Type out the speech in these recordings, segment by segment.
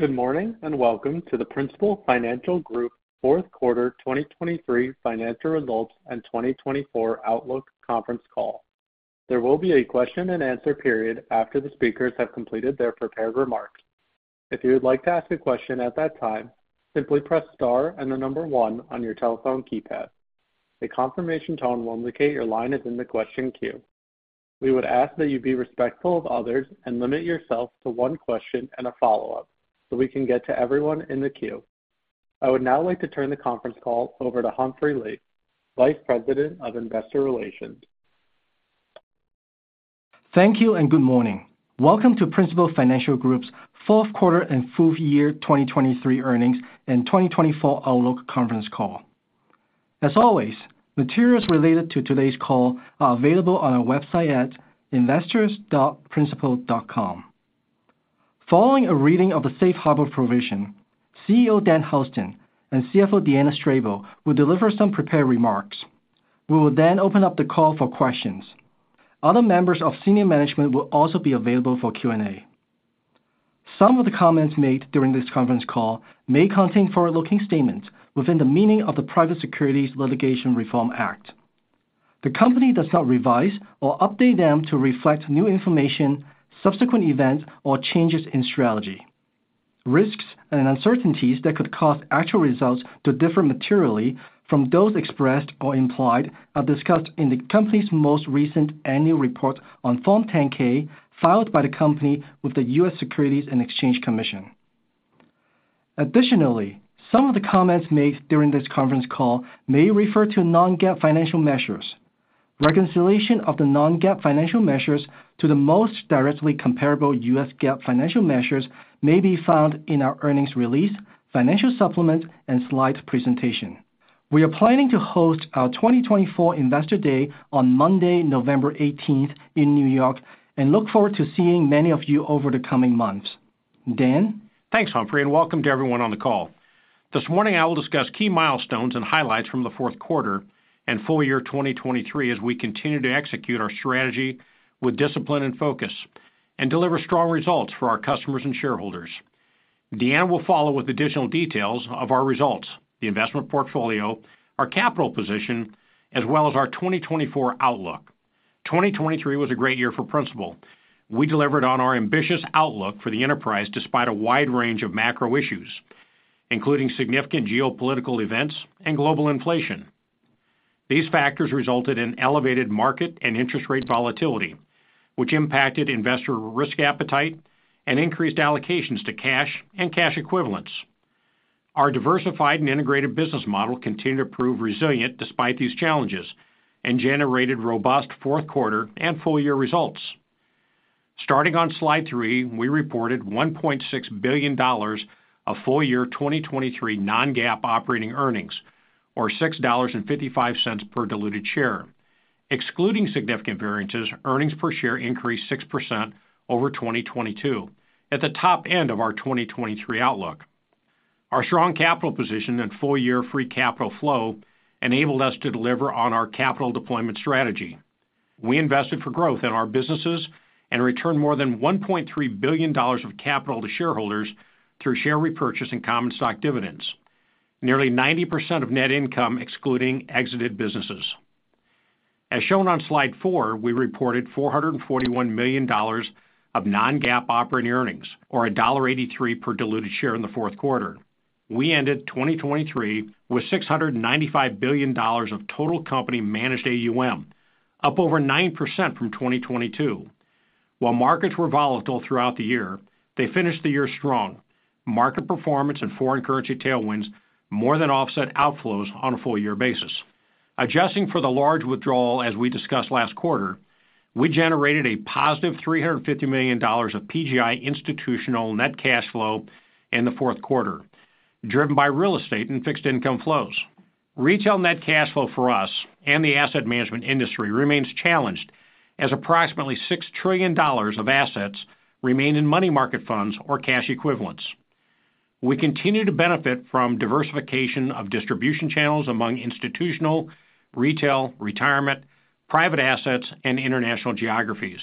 Good morning, and welcome to the Principal Financial Group Fourth Quarter 2023 Financial Results and 2024 Outlook Conference Call. There will be a question-and-answer period after the speakers have completed their prepared remarks. If you would like to ask a question at that time, simply press star one on your telephone keypad. A confirmation tone will indicate your line is in the question queue. We would ask that you be respectful of others and limit yourself to one question and a follow-up so we can get to everyone in the queue. I would now like to turn the conference call over to Humphrey Lee Vice President of Investor Relations. Thank you, and good morning. Welcome to Principal Financial Group's Fourth Quarter and Full Year 2023 Earnings and 2024 Outlook Conference Call. As always, materials related to today's call are available on our website at investors.principal.com. Following a reading of the Safe Harbor provision, CEO Dan Houston and CFO Deanna Strable will deliver some prepared remarks. We will then open up the call for questions. Other members of senior management will also be available for Q&A. Some of the comments made during this conference call may contain forward-looking statements within the meaning of the Private Securities Litigation Reform Act. The company does not revise or update them to reflect new information, subsequent events, or changes in strategy. Risks and uncertainties that could cause actual results to differ materially from those expressed or implied are discussed in the company's most recent annual report on Form 10-K, filed by the company with the U.S. Securities and Exchange Commission. Additionally, some of the comments made during this conference call may refer to non-GAAP financial measures. Reconciliation of the non-GAAP financial measures to the most directly comparable U.S. GAAP financial measures may be found in our earnings release, financial supplement, and slide presentation. We are planning to host our 2024 Investor Day on Monday, November 18, in New York, and look forward to seeing many of you over the coming months. Dan? Thanks, Humphrey, and welcome to everyone on the call. This morning, I will discuss key milestones and highlights from the fourth quarter and full year 2023 as we continue to execute our strategy with discipline and focus and deliver strong results for our customers and shareholders. Deanna will follow with additional details of our results, the investment portfolio, our capital position, as well as our 2024 outlook. 2023 was a great year for Principal. We delivered on our ambitious outlook for the enterprise despite a wide range of macro issues, including significant geopolitical events and global inflation. These factors resulted in elevated market and interest rate volatility, which impacted investor risk appetite and increased allocations to cash and cash equivalents. Our diversified and integrated business model continued to prove resilient despite these challenges and generated robust fourth quarter and full-year results. Starting on slide three, we reported $1.6 billion of full-year 2023 non-GAAP operating earnings, or $6.55 per diluted share. Excluding significant variances, earnings per share increased 6% over 2022, at the top end of our 2023 outlook. Our strong capital position and full-year Free Capital Flow enabled us to deliver on our capital deployment strategy. We invested for growth in our businesses and returned more than $1.3 billion of capital to shareholders through share repurchase and common stock dividends. Nearly 90% of net income excluding exited businesses. As shown on slide four, we reported $441 million of non-GAAP operating earnings, or $1.83 per diluted share in the fourth quarter. We ended 2023 with $695 billion of total company managed AUM, up over 9% from 2022. While markets were volatile throughout the year, they finished the year strong. Market performance and foreign currency tailwinds more than offset outflows on a full year basis. Adjusting for the large withdrawal, as we discussed last quarter, we generated a positive $350 million of PGI institutional net cash flow in the fourth quarter, driven by real estate and fixed income flows. Retail net cash flow for us and the asset management industry remains challenged, as approximately $6 trillion of assets remain in money market funds or cash equivalents. We continue to benefit from diversification of distribution channels among institutional, retail, retirement, private assets, and international geographies.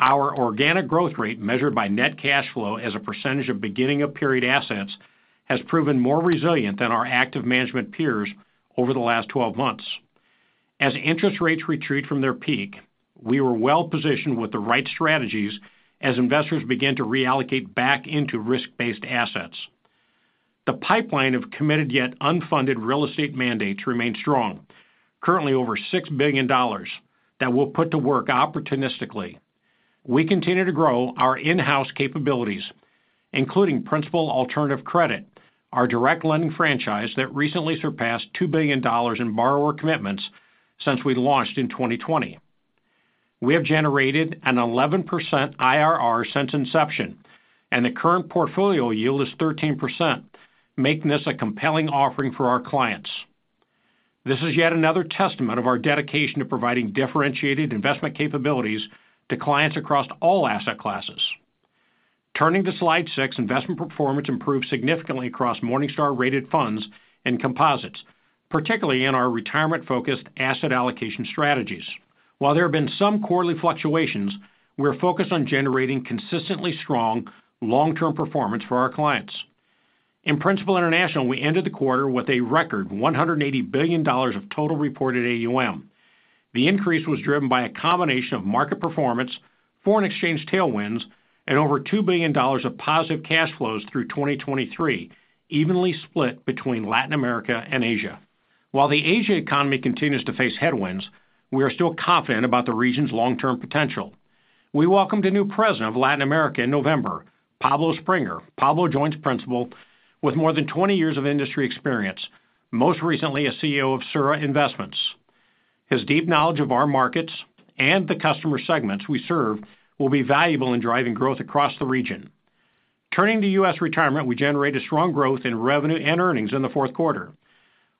Our organic growth rate, measured by net cash flow as a percentage of beginning-of-period assets, has proven more resilient than our active management peers over the last 12 months. As interest rates retreat from their peak, we were well-positioned with the right strategies as investors began to reallocate back into risk-based assets. The pipeline of committed yet unfunded real estate mandates remains strong, currently over $6 billion that we'll put to work opportunistically. We continue to grow our in-house capabilities, including Principal Alternative Credit, our direct lending franchise that recently surpassed $2 billion in borrower commitments since we launched in 2020. We have generated an 11% IRR since inception, and the current portfolio yield is 13%, making this a compelling offering for our clients. This is yet another testament of our dedication to providing differentiated investment capabilities to clients across all asset classes. Turning to slide 6, investment performance improved significantly across Morningstar-rated funds and composites, particularly in our retirement-focused asset allocation strategies. While there have been some quarterly fluctuations, we're focused on generating consistently strong, long-term performance for our clients. In Principal International, we ended the quarter with a record $180 billion of total reported AUM. The increase was driven by a combination of market performance, foreign exchange tailwinds, and over $2 billion of positive cash flows through 2023, evenly split between Latin America and Asia. While the Asia economy continues to face headwinds, we are still confident about the region's long-term potential. We welcomed a new president of Latin America in November, Pablo Sprenger. Pablo joins Principal with more than 20 years of industry experience, most recently as CEO of Sura Investments. His deep knowledge of our markets and the customer segments we serve will be valuable in driving growth across the region. Turning to U.S. retirement, we generated strong growth in revenue and earnings in the fourth quarter.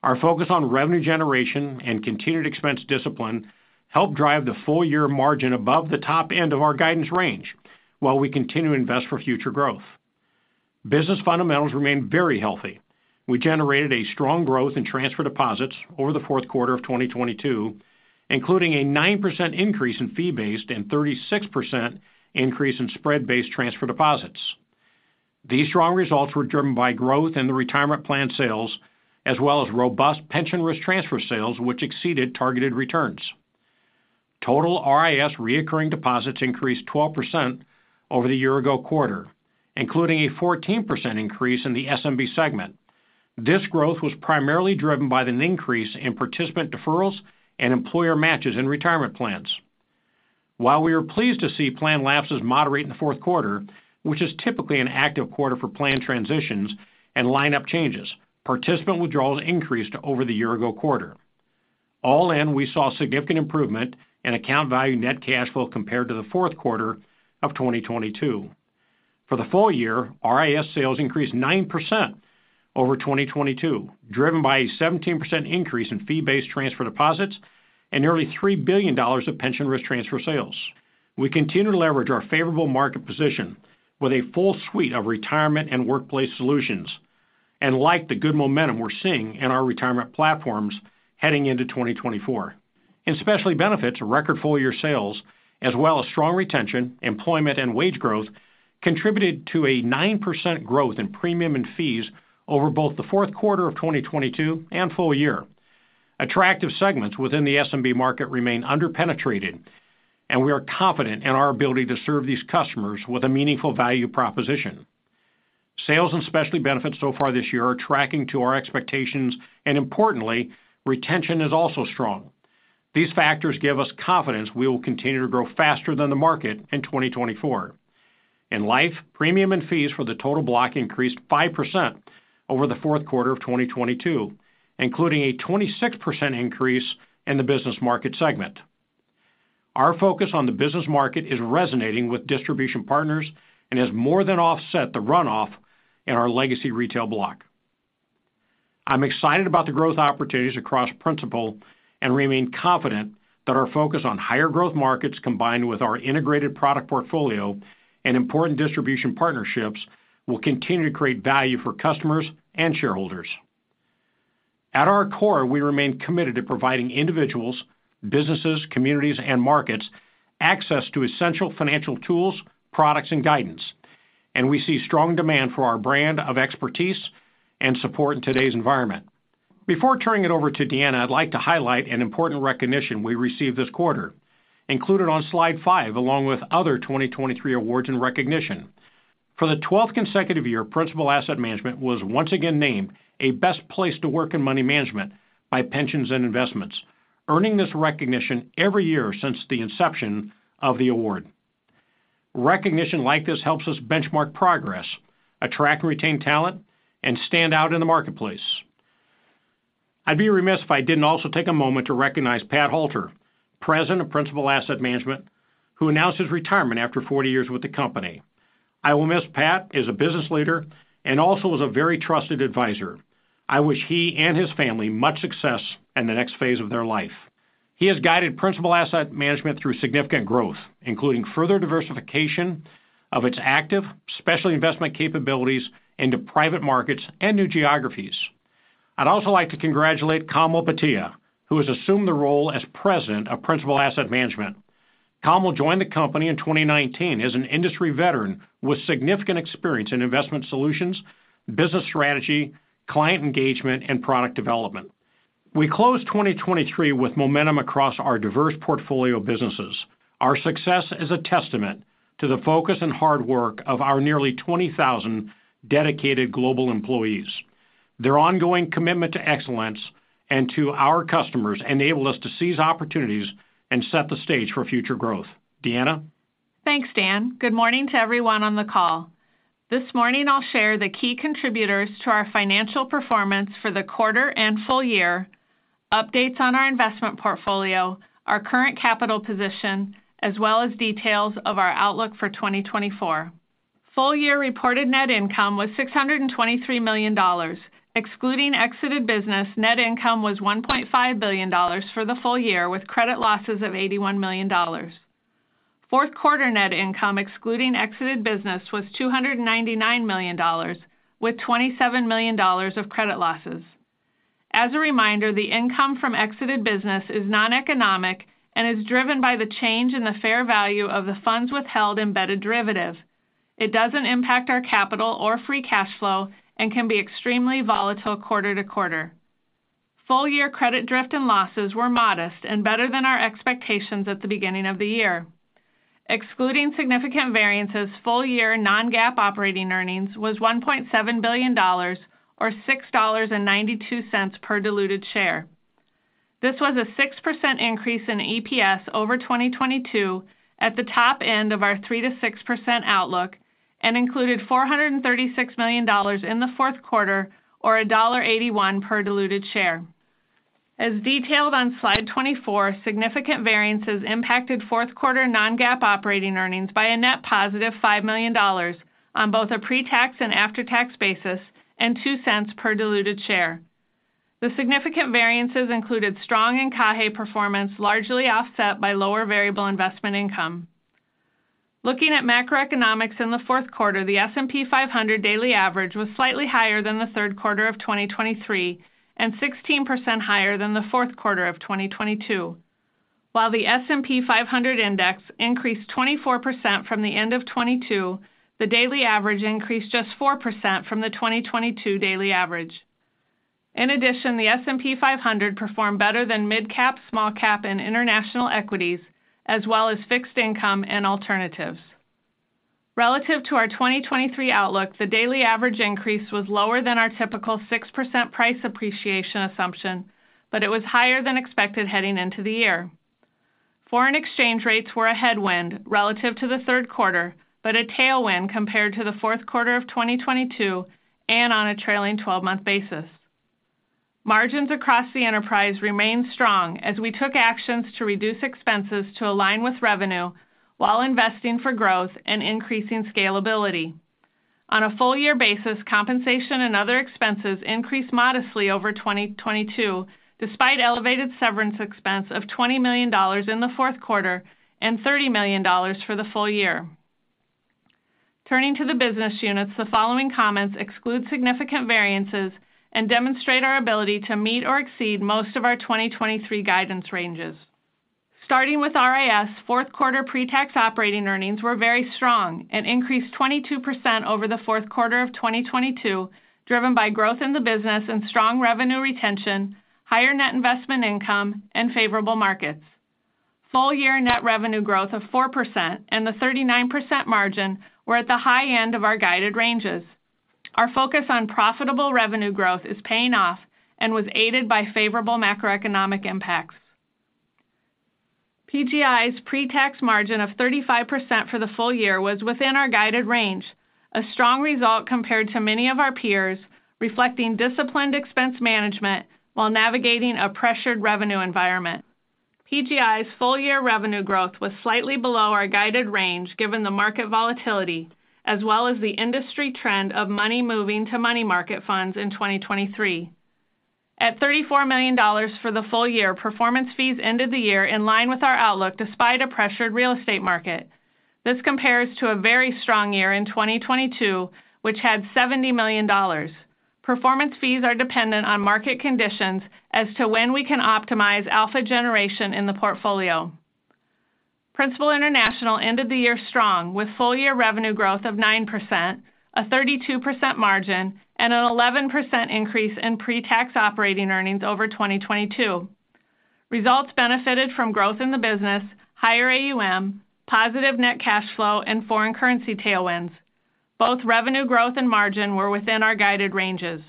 Our focus on revenue generation and continued expense discipline helped drive the full year margin above the top end of our guidance range, while we continue to invest for future growth. Business fundamentals remain very healthy. We generated a strong growth in transfer deposits over the fourth quarter of 2022, including a 9% increase in fee-based and 36% increase in spread-based transfer deposits. These strong results were driven by growth in the retirement plan sales, as well as robust pension risk transfer sales, which exceeded targeted returns. Total RIS recurring deposits increased 12% over the year-ago quarter, including a 14% increase in the SMB segment. This growth was primarily driven by an increase in participant deferrals and employer matches in retirement plans. While we are pleased to see plan lapses moderate in the fourth quarter, which is typically an active quarter for plan transitions and lineup changes, participant withdrawals increased over the year ago quarter. All in, we saw significant improvement in account value net cash flow compared to the fourth quarter of 2022. For the full year, RIS sales increased 9% over 2022, driven by a 17% increase in fee-based transfer deposits and nearly $3 billion of pension risk transfer sales. We continue to leverage our favorable market position with a full suite of retirement and workplace solutions, and like the good momentum we're seeing in our retirement platforms heading into 2024. In Specialty Benefits, record full year sales as well as strong retention, employment, and wage growth contributed to a 9% growth in premium and fees over both the fourth quarter of 2022 and full year. Attractive segments within the SMB market remain under-penetrated, and we are confident in our ability to serve these customers with a meaningful value proposition. Sales in Specialty Benefits so far this year are tracking to our expectations, and importantly, retention is also strong. These factors give us confidence we will continue to grow faster than the market in 2024. In Life, premium and fees for the total block increased 5% over the fourth quarter of 2022, including a 26% increase in the business market segment. Our focus on the business market is resonating with distribution partners and has more than offset the runoff in our legacy retail block. I'm excited about the growth opportunities across Principal and remain confident that our focus on higher growth markets, combined with our integrated product portfolio and important distribution partnerships, will continue to create value for customers and shareholders. At our core, we remain committed to providing individuals, businesses, communities, and markets access to essential financial tools, products, and guidance, and we see strong demand for our brand of expertise and support in today's environment. Before turning it over to Deanna, I'd like to highlight an important recognition we received this quarter, included on slide 5, along with other 2023 awards and recognition. For the twelfth consecutive year, Principal Asset Management was once again named a best place to work in money management by Pensions & Investments, earning this recognition every year since the inception of the award. Recognition like this helps us benchmark progress, attract and retain talent, and stand out in the marketplace. I'd be remiss if I didn't also take a moment to recognize Pat Halter, President of Principal Asset Management, who announced his retirement after 40 years with the company. I will miss Pat as a business leader and also as a very trusted advisor. I wish he and his family much success in the next phase of their life. He has guided Principal Asset Management through significant growth, including further diversification of its active special investment capabilities into private markets and new geographies. I'd also like to congratulate Kamal Bhatia, who has assumed the role as President of Principal Asset Management. Kamal joined the company in 2019 as an industry veteran with significant experience in investment solutions, business strategy, client engagement, and product development. We closed 2023 with momentum across our diverse portfolio of businesses. Our success is a testament to the focus and hard work of our nearly 20,000 dedicated global employees. Their ongoing commitment to excellence and to our customers enable us to seize opportunities and set the stage for future growth. Deanna? Thanks, Dan. Good morning to everyone on the call. This morning, I'll share the key contributors to our financial performance for the quarter and full year, updates on our investment portfolio, our current capital position, as well as details of our outlook for 2024. Full year reported net income was $623 million. Excluding exited business, net income was $1.5 billion for the full year, with credit losses of $81 million.... Fourth quarter net income, excluding exited business, was $299 million, with $27 million of credit losses. As a reminder, the income from exited business is noneconomic and is driven by the change in the fair value of the funds withheld embedded derivative. It doesn't impact our capital or free cash flow and can be extremely volatile quarter to quarter. Full-year credit drift and losses were modest and better than our expectations at the beginning of the year. Excluding significant variances, full-year Non-GAAP operating earnings was $1.7 billion or $6.92 per diluted share. This was a 6% increase in EPS over 2022 at the top end of our 3% to 6% outlook and included $436 million in the fourth quarter, or $1.81 per diluted share. As detailed on slide 24, significant variances impacted fourth quarter Non-GAAP operating earnings by a net +$5 million on both a pretax and after-tax basis and $0.02 per diluted share. The significant variances included strong Encaje performance, largely offset by lower variable investment income. Looking at macroeconomics in the fourth quarter, the S&P 500 daily average was slightly higher than the third quarter of 2023 and 16% higher than the fourth quarter of 2022. While the S&P 500 index increased 24% from the end of 2022, the daily average increased just 4% from the 2022 daily average. In addition, the S&P 500 performed better than mid-cap, small-cap, and international equities, as well as fixed income and alternatives. Relative to our 2023 outlook, the daily average increase was lower than our typical 6% price appreciation assumption, but it was higher than expected heading into the year. Foreign exchange rates were a headwind relative to the third quarter, but a tailwind compared to the fourth quarter of 2022 and on a trailing twelve-month basis. Margins across the enterprise remained strong as we took actions to reduce expenses to align with revenue while investing for growth and increasing scalability. On a full year basis, compensation and other expenses increased modestly over 2022, despite elevated severance expense of $20 million in the fourth quarter and $30 million for the full year. Turning to the business units, the following comments exclude significant variances and demonstrate our ability to meet or exceed most of our 2023 guidance ranges. Starting with RIS, fourth quarter pretax operating earnings were very strong and increased 22% over the fourth quarter of 2022, driven by growth in the business and strong revenue retention, higher net investment income, and favorable markets. Full-year net revenue growth of 4% and the 39% margin were at the high end of our guided ranges. Our focus on profitable revenue growth is paying off and was aided by favorable macroeconomic impacts. PGI's pretax margin of 35% for the full year was within our guided range, a strong result compared to many of our peers, reflecting disciplined expense management while navigating a pressured revenue environment. PGI's full-year revenue growth was slightly below our guided range, given the market volatility, as well as the industry trend of money moving to money market funds in 2023. At $34 million for the full year, performance fees ended the year in line with our outlook, despite a pressured real estate market. This compares to a very strong year in 2022, which had $70 million. Performance fees are dependent on market conditions as to when we can optimize alpha generation in the portfolio. Principal International ended the year strong, with full-year revenue growth of 9%, a 32% margin, and an 11% increase in pretax operating earnings over 2022. Results benefited from growth in the business, higher AUM, positive net cash flow, and foreign currency tailwinds. Both revenue growth and margin were within our guided ranges.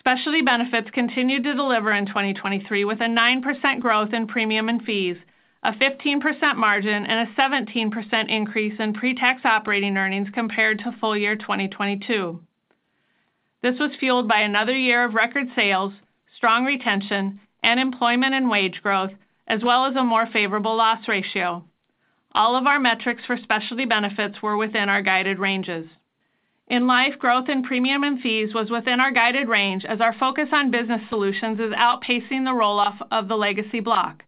Specialty Benefits continued to deliver in 2023, with a 9% growth in premium and fees, a 15% margin, and a 17% increase in pretax operating earnings compared to full year 2022. This was fueled by another year of record sales, strong retention, and employment and wage growth, as well as a more favorable loss ratio. All of our metrics for Specialty Benefits were within our guided ranges. In life, growth in premium and fees was within our guided range, as our focus on business solutions is outpacing the roll-off of the legacy block.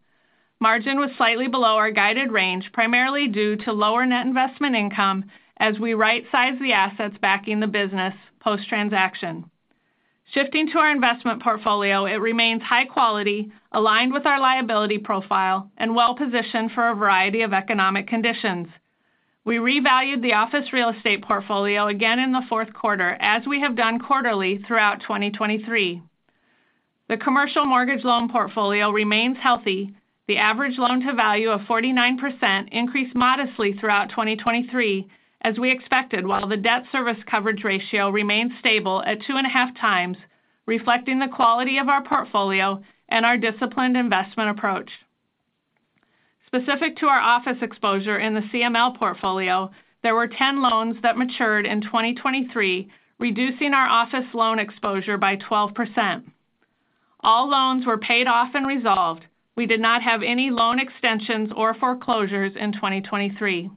Margin was slightly below our guided range, primarily due to lower net investment income as we rightsize the assets backing the business post-transaction. Shifting to our investment portfolio, it remains high quality, aligned with our liability profile, and well-positioned for a variety of economic conditions. We revalued the office real estate portfolio again in the fourth quarter, as we have done quarterly throughout 2023. The commercial mortgage loan portfolio remains healthy. The average loan-to-value of 49% increased modestly throughout 2023, as we expected, while the debt service coverage ratio remains stable at 2.5x, reflecting the quality of our portfolio and our disciplined investment approach. Specific to our office exposure in the CML portfolio, there were 10 loans that matured in 2023, reducing our office loan exposure by 12%. All loans were paid off and resolved. We did not have any loan extensions or foreclosures in 2023.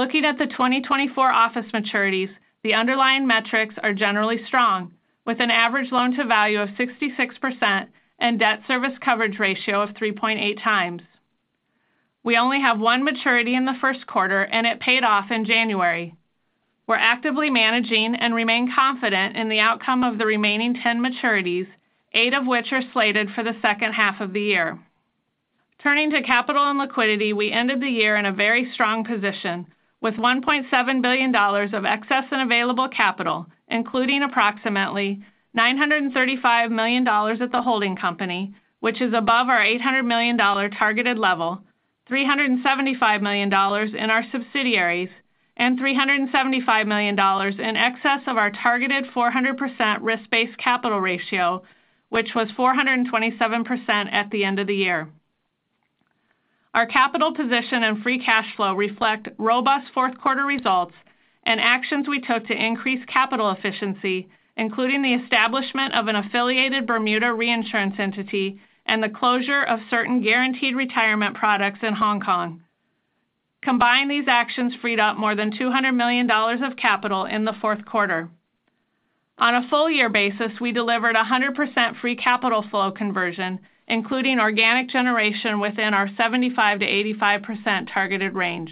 Looking at the 2024 office maturities, the underlying metrics are generally strong, with an average loan-to-value of 66% and debt service coverage ratio of 3.8x. We only have one maturity in the first quarter, and it paid off in January. We're actively managing and remain confident in the outcome of the remaining 10 maturities, eight of which are slated for the second half of the year. Turning to capital and liquidity, we ended the year in a very strong position, with $1.7 billion of excess and available capital, including approximately $935 million at the holding company, which is above our $800 million targeted level, $375 million in our subsidiaries, and $375 million in excess of our targeted 400% risk-based capital ratio, which was 427% at the end of the year. Our capital position and free cash flow reflect robust fourth quarter results and actions we took to increase capital efficiency, including the establishment of an affiliated Bermuda reinsurance entity and the closure of certain guaranteed retirement products in Hong Kong. Combined, these actions freed up more than $200 million of capital in the fourth quarter. On a full year basis, we delivered 100% free capital flow conversion, including organic generation within our 75% to 85% targeted range.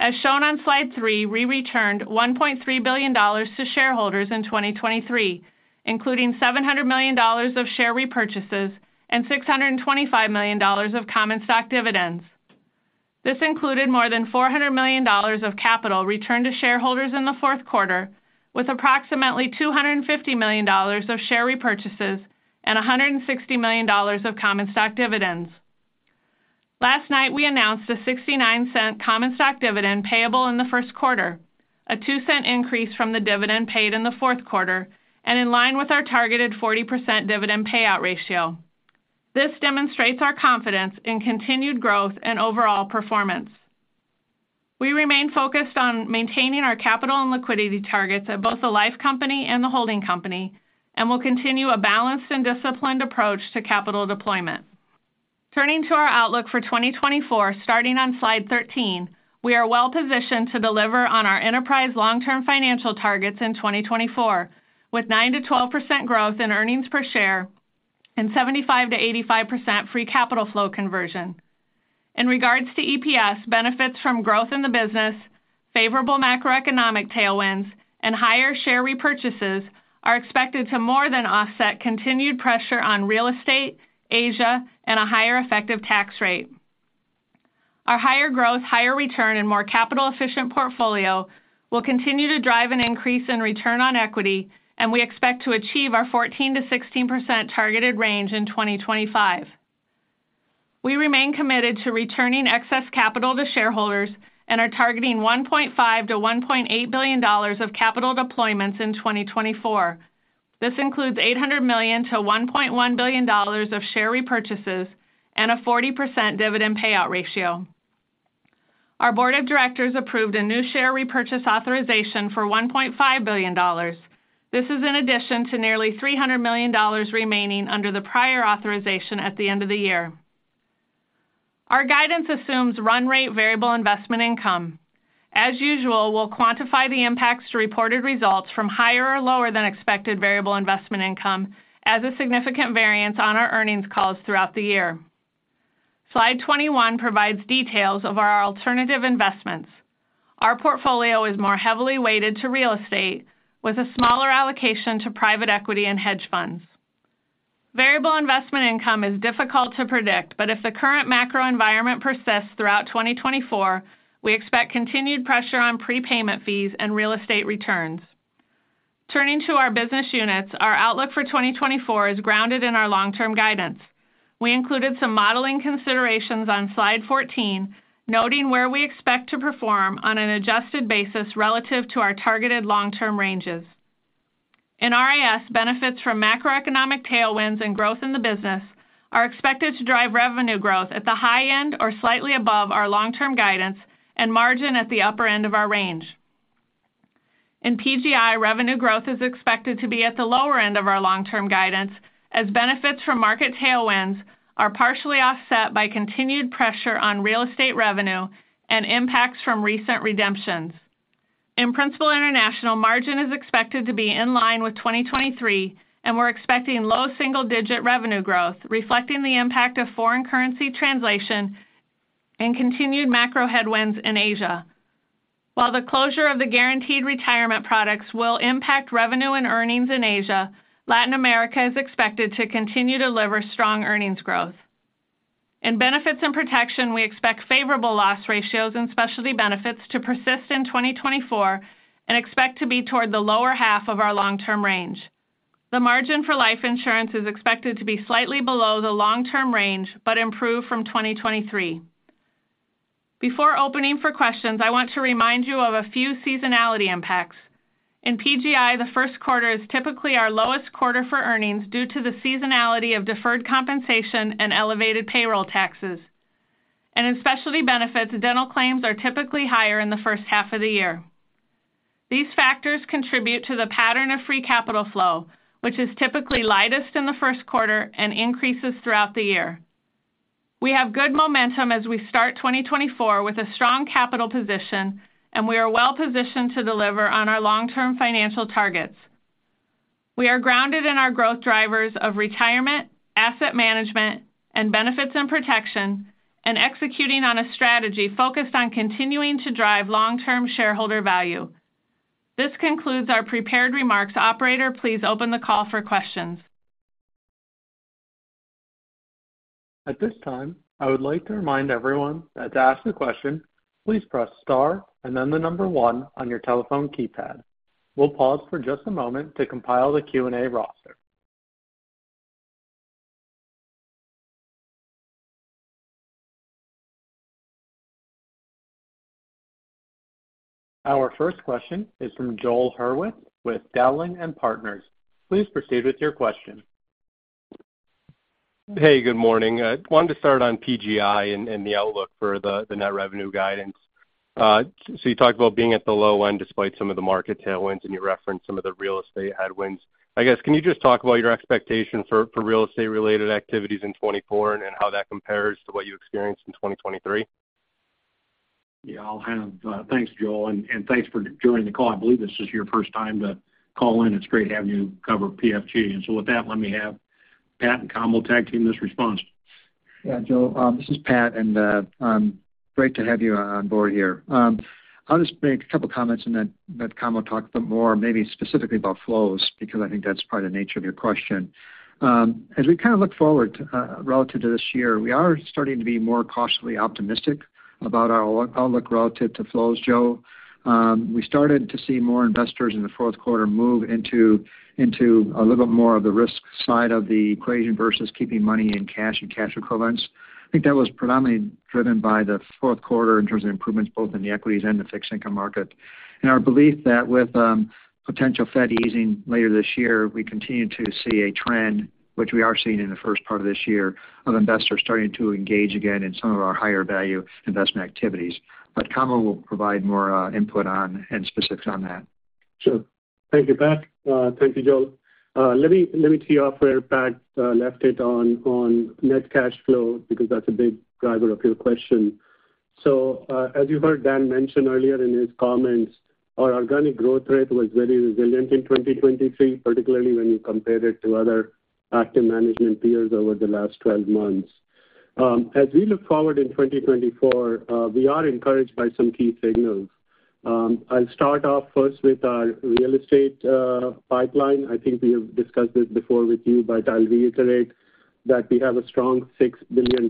As shown on slide 3, we returned $1.3 billion to shareholders in 2023, including $700 million of share repurchases and $625 million of common stock dividends. This included more than $400 million of capital returned to shareholders in the fourth quarter, with approximately $250 million of share repurchases and $160 million of common stock dividends. Last night, we announced a $0.69 common stock dividend payable in the first quarter, a $0.02 increase from the dividend paid in the fourth quarter, and in line with our targeted 40% dividend payout ratio. This demonstrates our confidence in continued growth and overall performance. We remain focused on maintaining our capital and liquidity targets at both the life company and the holding company, and will continue a balanced and disciplined approach to capital deployment. Turning to our outlook for 2024, starting on slide 13, we are well positioned to deliver on our enterprise long-term financial targets in 2024, with 9% to 12% growth in earnings per share and 75% to 85% free capital flow conversion. In regards to EPS, benefits from growth in the business, favorable macroeconomic tailwinds, and higher share repurchases are expected to more than offset continued pressure on real estate, Asia, and a higher effective tax rate. Our higher growth, higher return, and more capital-efficient portfolio will continue to drive an increase in return on equity, and we expect to achieve our 14% to 16% targeted range in 2025. We remain committed to returning excess capital to shareholders and are targeting $1.5 billion to $1.8 billion of capital deployments in 2024. This includes $800 million to $1.1 billion of share repurchases and a 40% dividend payout ratio. Our board of directors approved a new share repurchase authorization for $1.5 billion. This is in addition to nearly $300 million remaining under the prior authorization at the end of the year. Our guidance assumes run rate variable investment income. As usual, we'll quantify the impacts to reported results from higher or lower than expected variable investment income as a significant variance on our earnings calls throughout the year. Slide 21 provides details of our alternative investments. Our portfolio is more heavily weighted to real estate, with a smaller allocation to private equity and hedge funds. Variable investment income is difficult to predict, but if the current macro environment persists throughout 2024, we expect continued pressure on prepayment fees and real estate returns. Turning to our business units, our outlook for 2024 is grounded in our long-term guidance. We included some modeling considerations on Slide 14, noting where we expect to perform on an adjusted basis relative to our targeted long-term ranges. In RIS, benefits from macroeconomic tailwinds and growth in the business are expected to drive revenue growth at the high end or slightly above our long-term guidance and margin at the upper end of our range. In PGI, revenue growth is expected to be at the lower end of our long-term guidance, as benefits from market tailwinds are partially offset by continued pressure on real estate revenue and impacts from recent redemptions. In Principal International, margin is expected to be in line with 2023, and we're expecting low single-digit revenue growth, reflecting the impact of foreign currency translation and continued macro headwinds in Asia. While the closure of the guaranteed retirement products will impact revenue and earnings in Asia, Latin America is expected to continue to deliver strong earnings growth. In Benefits and Protection, we expect favorable loss ratios and Specialty Benefits to persist in 2024 and expect to be toward the lower half of our long-term range. The margin for life insurance is expected to be slightly below the long-term range, but improve from 2023. Before opening for questions, I want to remind you of a few seasonality impacts. In PGI, the first quarter is typically our lowest quarter for earnings due to the seasonality of deferred compensation and elevated payroll taxes. In Specialty Benefits, dental claims are typically higher in the first half of the year... These factors contribute to the pattern of Free Capital Flow, which is typically lightest in the first quarter and increases throughout the year. We have good momentum as we start 2024 with a strong capital position, and we are well positioned to deliver on our long-term financial targets. We are grounded in our growth drivers of retirement, asset management, and benefits and protection, and executing on a strategy focused on continuing to drive long-term shareholder value. This concludes our prepared remarks. Operator, please open the call for questions. At this time, I would like to remind everyone that to ask a question, please press star and then the number one on your telephone keypad. We'll pause for just a moment to compile the Q&A roster. Our first question is from Joel Hurwitz with Dowling & Partners. Please proceed with your question. Hey, good morning. I wanted to start on PGI and the outlook for the net revenue guidance. So you talked about being at the low end despite some of the market tailwinds, and you referenced some of the real estate headwinds. I guess, can you just talk about your expectation for real estate-related activities in 2024 and how that compares to what you experienced in 2023? Yeah, I'll have. Thanks, Joel, and thanks for joining the call. I believe this is your first time to call in. It's great to have you cover PFG. And so with that, let me have Pat and Kamal tag team this response. Yeah, Joel, this is Pat, and, great to have you on board here. I'll just make a couple of comments, and then let Kamal talk a bit more, maybe specifically about flows, because I think that's part of the nature of your question. As we kind of look forward, relative to this year, we are starting to be more cautiously optimistic about our outlook relative to flows, Joel. We started to see more investors in the fourth quarter move into, into a little bit more of the risk side of the equation versus keeping money in cash and cash equivalents. I think that was predominantly driven by the fourth quarter in terms of improvements, both in the equities and the fixed income market. Our belief that with potential Fed easing later this year, we continue to see a trend which we are seeing in the first part of this year, of investors starting to engage again in some of our higher value investment activities. But Kamal will provide more input on and specifics on that. Sure. Thank you, Pat. Thank you, Joel. Let me, let me tee off where Pat left it on, on net cash flow, because that's a big driver of your question. So, as you heard Dan mention earlier in his comments, our organic growth rate was very resilient in 2023, particularly when you compare it to other active management peers over the last 12 months. As we look forward in 2024, we are encouraged by some key signals. I'll start off first with our real estate pipeline. I think we have discussed this before with you, but I'll reiterate that we have a strong $6 billion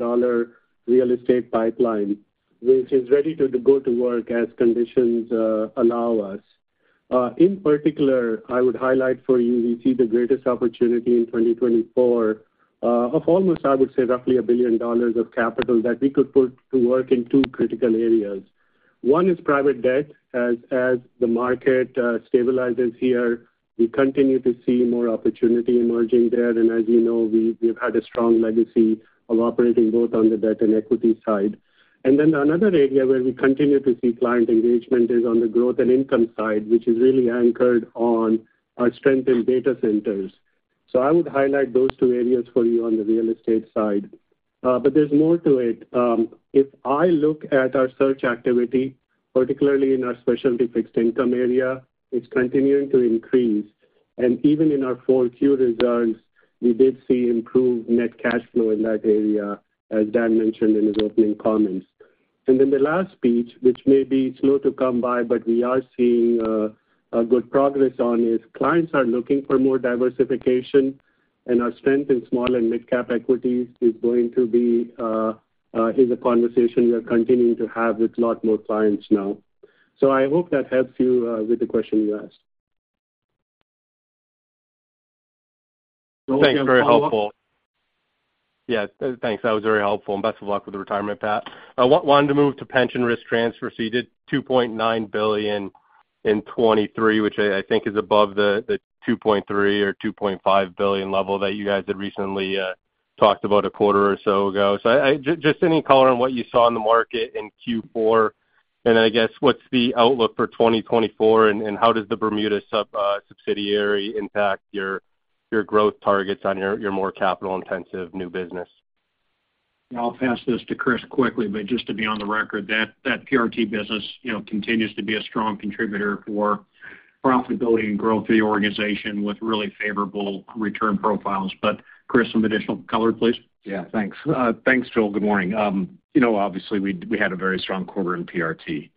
real estate pipeline, which is ready to go to work as conditions allow us. In particular, I would highlight for you, we see the greatest opportunity in 2024, of almost, I would say, roughly $1 billion of capital that we could put to work in two critical areas. One is private debt. As, as the market stabilizes here, we continue to see more opportunity emerging there, and as you know, we, we've had a strong legacy of operating both on the debt and equity side. And then another area where we continue to see client engagement is on the growth and income side, which is really anchored on our strength in data centers. So I would highlight those two areas for you on the real estate side, but there's more to it. If I look at our search activity, particularly in our specialty fixed income area, it's continuing to increase, and even in our full year results, we did see improved net cash flow in that area, as Dan mentioned in his opening comments. And then the last piece, which may be slow to come by, but we are seeing a good progress on, is clients are looking for more diversification, and our strength in small and mid-cap equities is going to be is a conversation we are continuing to have with a lot more clients now. So I hope that helps you with the question you asked. Thanks, very helpful. Joel, follow-up? Yes, thanks. That was very helpful, and best of luck with the retirement, Pat. I want, wanted to move to pension risk transfer. So you did $2.9 billion in 2023, which I, I think is above the $2.3 billion or $2.5 billion level that you guys had recently talked about a quarter or so ago. So I, I just any color on what you saw in the market in Q4, and I guess, what's the outlook for 2024, and how does the Bermuda subsidiary impact your growth targets on your more capital-intensive new business? I'll pass this to Chris quickly, but just to be on the record, that PRT business, you know, continues to be a strong contributor for profitability and growth of the organization with really favorable return profiles. But Chris, some additional color, please. Yeah, thanks. Thanks, Joel. Good morning. You know, obviously, we had a very strong quarter in PRT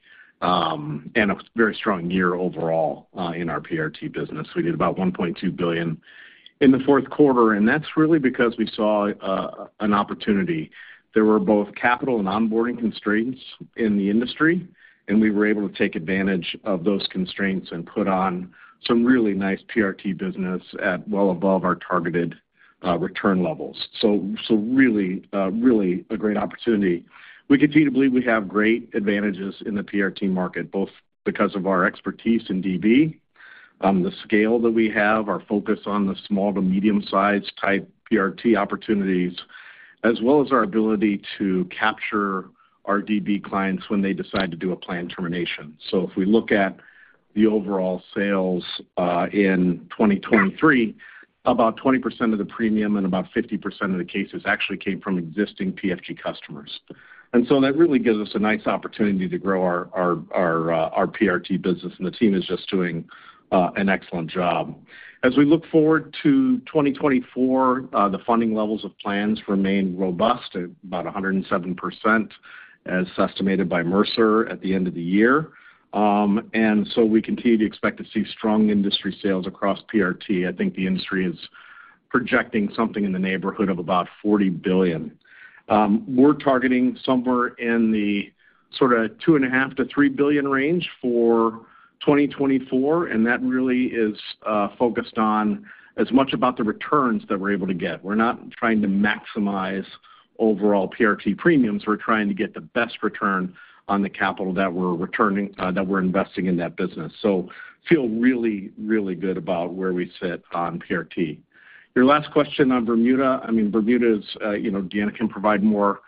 and a very strong year overall in our PRT business. We did about $1.2 billion in the fourth quarter, and that's really because we saw an opportunity. There were both capital and onboarding constraints in the industry, and we were able to take advantage of those constraints and put on some really nice PRT business at well above our targeted return levels. So really a great opportunity. We continue to believe we have great advantages in the PRT market, both because of our expertise in DB, the scale that we have, our focus on the small to medium-sized type PRT opportunities, as well as our ability to capture our DB clients when they decide to do a plan termination. So if we look at the overall sales in 2023, about 20% of the premium and about 50% of the cases actually came from existing PFG customers. And so that really gives us a nice opportunity to grow our PRT business, and the team is just doing an excellent job. As we look forward to 2024, the funding levels of plans remain robust at about 107%, as estimated by Mercer at the end of the year. And so we continue to expect to see strong industry sales across PRT. I think the industry is projecting something in the neighborhood of about $40 billion. We're targeting somewhere in the sort of $2.5 billion to $3 billion range for 2024, and that really is focused on as much about the returns that we're able to get. We're not trying to maximize overall PRT premiums. We're trying to get the best return on the capital that we're returning, that we're investing in that business. So feel really, really good about where we sit on PRT. Your last question on Bermuda, I mean, Bermuda is, you know, Deanna can provide more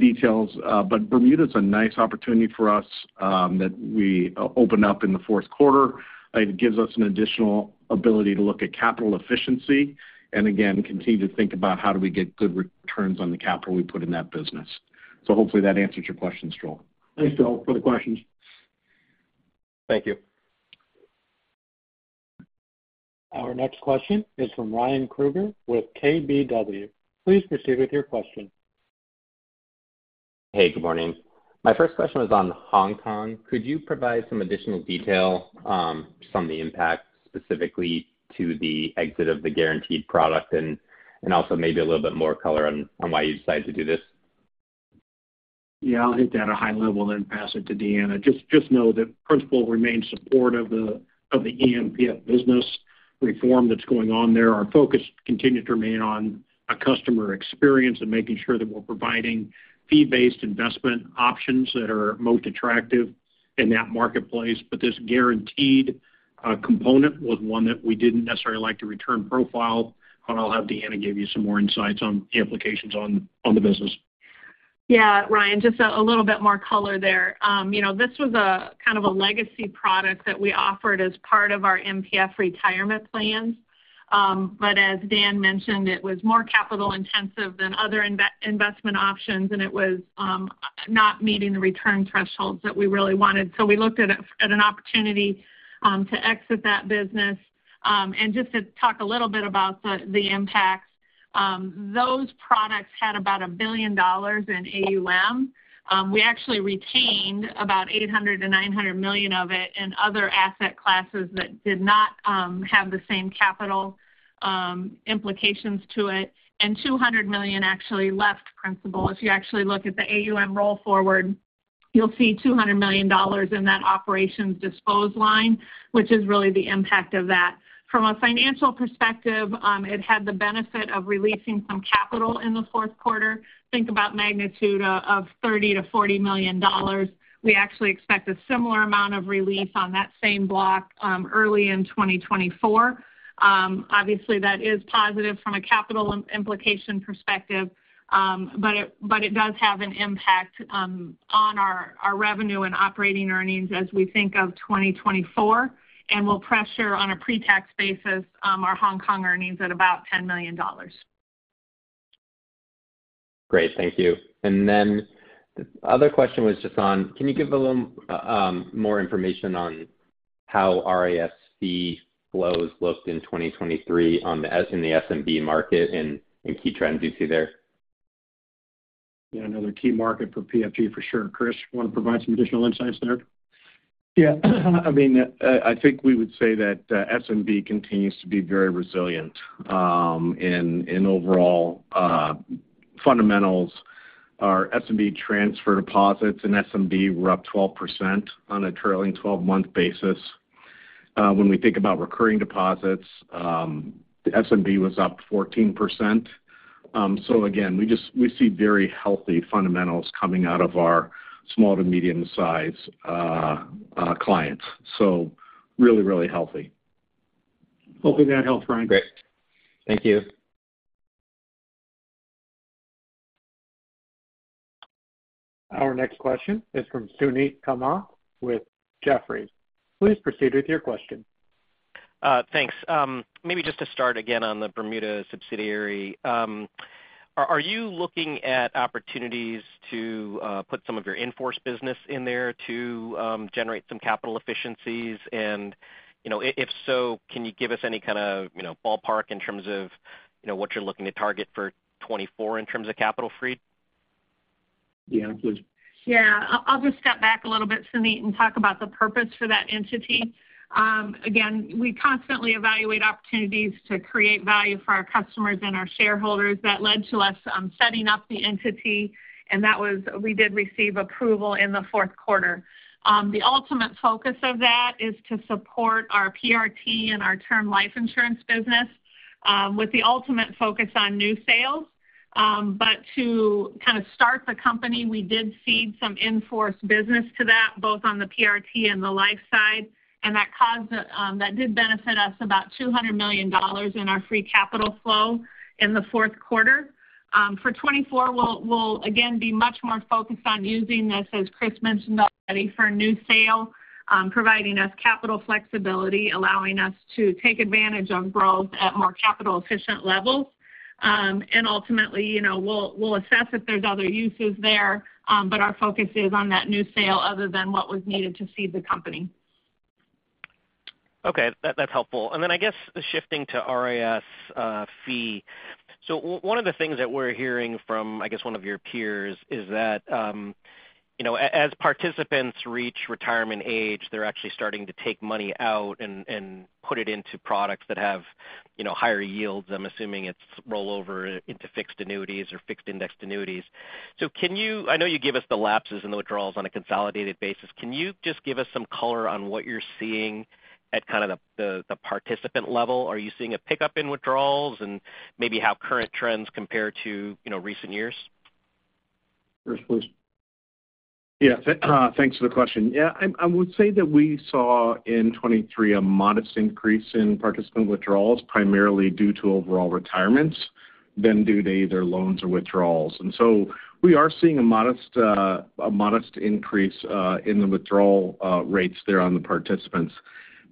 details, but Bermuda is a nice opportunity for us, that we opened up in the fourth quarter. It gives us an additional ability to look at capital efficiency, and again, continue to think about how do we get good returns on the capital we put in that business. So hopefully that answers your questions, Joel. Thanks, Joel, for the questions. Thank you. Our next question is from Ryan Kruger with KBW. Please proceed with your question. Hey, good morning. My first question was on Hong Kong. Could you provide some additional detail, from the impact specifically to the exit of the guaranteed product? And also maybe a little bit more color on why you decided to do this. Yeah, I'll hit that at a high level, then pass it to Deanna. Just know that Principal remains supportive of the eMPF business reform that's going on there. Our focus continued to remain on a customer experience and making sure that we're providing fee-based investment options that are most attractive in that marketplace. But this guaranteed component was one that we didn't necessarily like the return profile, but I'll have Deanna give you some more insights on the implications on the business. Yeah, Ryan, just a little bit more color there. You know, this was a kind of a legacy product that we offered as part of our MPF Retirement Plans. But as Dan mentioned, it was more capital intensive than other investment options, and it was not meeting the return thresholds that we really wanted. So we looked at an opportunity to exit that business. And just to talk a little bit about the impacts, those products had about $1 billion in AUM. We actually retained about $800 million to $900 million of it in other asset classes that did not have the same capital implications to it, and $200 million actually left Principal. If you actually look at the AUM roll forward, you'll see $200 million in that operations dispose line, which is really the impact of that. From a financial perspective, it had the benefit of releasing some capital in the fourth quarter. Think about magnitude of $30 million to $40 million. We actually expect a similar amount of relief on that same block early in 2024. Obviously, that is positive from a capital implication perspective, but it does have an impact on our revenue and operating earnings as we think of 2024, and will pressure on a pre-tax basis our Hong Kong earnings at about $10 million. Great, thank you. And then the other question was just on, can you give a little more information on how RIS fee flows looked in 2023 in the SMB market and any key trends you see there? Yeah, another key market for PFG for sure. Chris, you want to provide some additional insights there? Yeah. I mean, I think we would say that SMB continues to be very resilient in overall fundamentals. Our SMB transfer deposits and SMB were up 12% on a trailing 12-month basis. When we think about recurring deposits, the SMB was up 14%. So again, we just, we see very healthy fundamentals coming out of our small to medium-sized clients. So really, really healthy. Hopefully that helps, Ryan. Great. Thank you. Our next question is from Suneet Kamath with Jefferies. Please proceed with your question. Thanks. Maybe just to start again on the Bermuda subsidiary. Are you looking at opportunities to put some of your in-force business in there to generate some capital efficiencies? And, you know, if so, can you give us any kind of, you know, ballpark in terms of, you know, what you're looking to target for 2024 in terms of free capital?... Deanna, please. Yeah, I'll just step back a little bit, Suneet, and talk about the purpose for that entity. Again, we constantly evaluate opportunities to create value for our customers and our shareholders. That led to us setting up the entity, and that was, we did receive approval in the fourth quarter. The ultimate focus of that is to support our PRT and our term life insurance business, with the ultimate focus on new sales. But to kind of start the company, we did cede some in-force business to that, both on the PRT and the life side, and that caused, that did benefit us about $200 million in our free capital flow in the fourth quarter. For 2024, we'll again be much more focused on using this, as Chris mentioned already, for new sales, providing us capital flexibility, allowing us to take advantage of growth at more capital-efficient levels. And ultimately, you know, we'll assess if there's other uses there, but our focus is on that new sales other than what was needed to seed the company. Okay, that's helpful. And then I guess shifting to RIS fee. So one of the things that we're hearing from, I guess, one of your peers is that, you know, as participants reach retirement age, they're actually starting to take money out and put it into products that have, you know, higher yields. I'm assuming it's rollover into fixed annuities or fixed indexed annuities. So can you -- I know you give us the lapses and the withdrawals on a consolidated basis. Can you just give us some color on what you're seeing at kind of the participant level? Are you seeing a pickup in withdrawals, and maybe how current trends compare to, you know, recent years? Chris, please. Yeah, thanks for the question. Yeah, I would say that we saw in 2023 a modest increase in participant withdrawals, primarily due to overall retirements than due to either loans or withdrawals. And so we are seeing a modest, a modest increase, in the withdrawal rates there on the participants.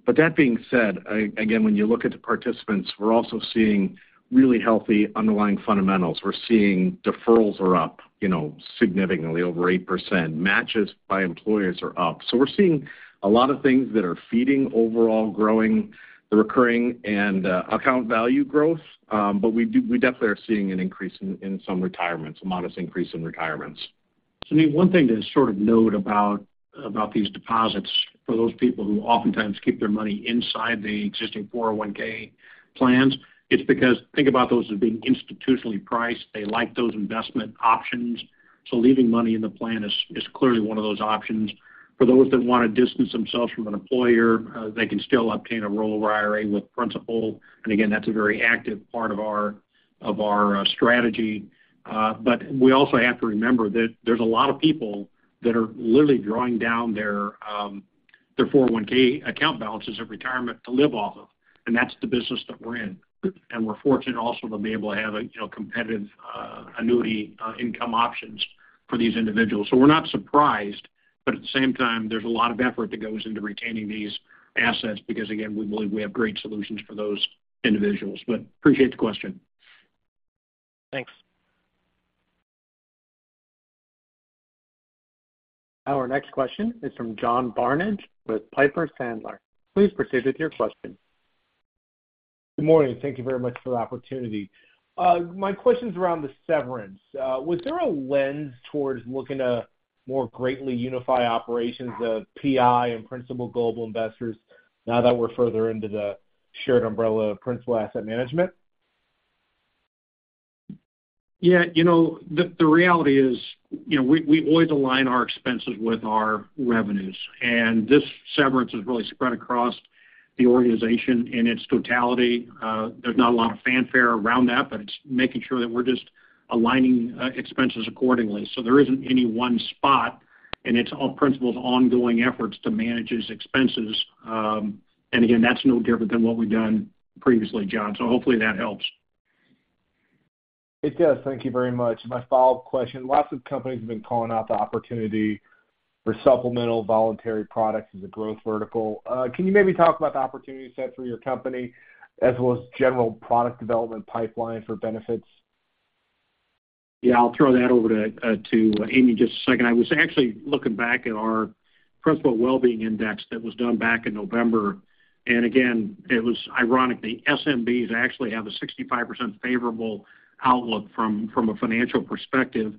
But that being said, again, when you look at the participants, we're also seeing really healthy underlying fundamentals. We're seeing deferrals are up, you know, significantly, over 8%. Matches by employers are up. So we're seeing a lot of things that are feeding overall growing, the recurring and, account value growth. But we do we definitely are seeing an increase in some retirements, a modest increase in retirements. Suneet, one thing to sort of note about these deposits for those people who oftentimes keep their money inside the existing 401(k) plans, it's because think about those as being institutionally priced. They like those investment options, so leaving money in the plan is clearly one of those options. For those that want to distance themselves from an employer, they can still obtain a rollover IRA with Principal, and again, that's a very active part of our strategy. But we also have to remember that there's a lot of people that are literally drawing down their their 401(k) account balances of retirement to live off of, and that's the business that we're in. And we're fortunate also to be able to have a you know competitive annuity income options for these individuals. So we're not surprised, but at the same time, there's a lot of effort that goes into retaining these assets, because, again, we believe we have great solutions for those individuals. But appreciate the question. Thanks. Our next question is from John Barnidge with Piper Sandler. Please proceed with your question. Good morning. Thank you very much for the opportunity. My question's around the severance. Was there a lens towards looking to more greatly unify operations of PI and Principal Global Investors now that we're further into the shared umbrella of Principal Asset Management? Yeah, you know, the reality is, you know, we always align our expenses with our revenues, and this severance is really spread across the organization in its totality. There's not a lot of fanfare around that, but it's making sure that we're just aligning expenses accordingly. So there isn't any one spot, and it's all Principal's ongoing efforts to manage its expenses. And again, that's no different than what we've done previously, John, so hopefully that helps. It does. Thank you very much. My follow-up question: Lots of companies have been calling out the opportunity for supplemental voluntary products as a growth vertical. Can you maybe talk about the opportunity set for your company, as well as general product development pipeline for benefits? Yeah, I'll throw that over to, to Amy just a second. I was actually looking back at our Principal Well-Being Index that was done back in November. And again, it was ironically, SMBs actually have a 65% favorable outlook from, from a financial perspective.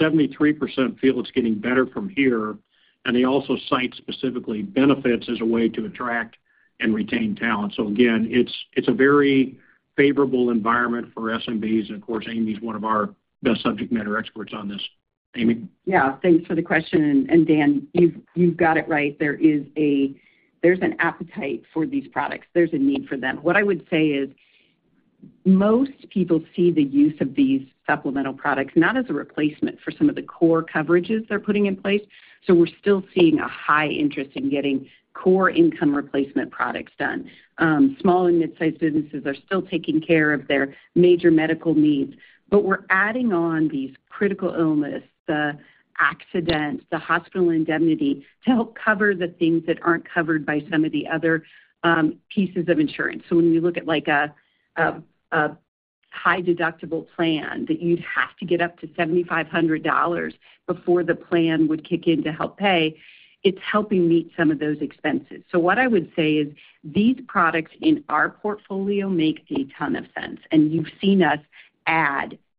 73% feel it's getting better from here, and they also cite specifically benefits as a way to attract and retain talent. So again, it's, it's a very favorable environment for SMBs, and of course, Amy's one of our best subject matter experts on this. Amy? Yeah, thanks for the question. And Dan, you've got it right. There's an appetite for these products. There's a need for them. What I would say is, most people see the use of these supplemental products not as a replacement for some of the core coverages they're putting in place, so we're still seeing a high interest in getting core income replacement products done. Small and mid-sized businesses are still taking care of their major medical needs, but we're adding on these critical illness, the accidents, the hospital indemnity, to help cover the things that aren't covered by some of the other pieces of insurance. So when you look at, like, a, a-... high-deductible plan that you'd have to get up to $7,500 before the plan would kick in to help pay, it's helping meet some of those expenses. So what I would say is, these products in our portfolio make a ton of sense, and you've seen us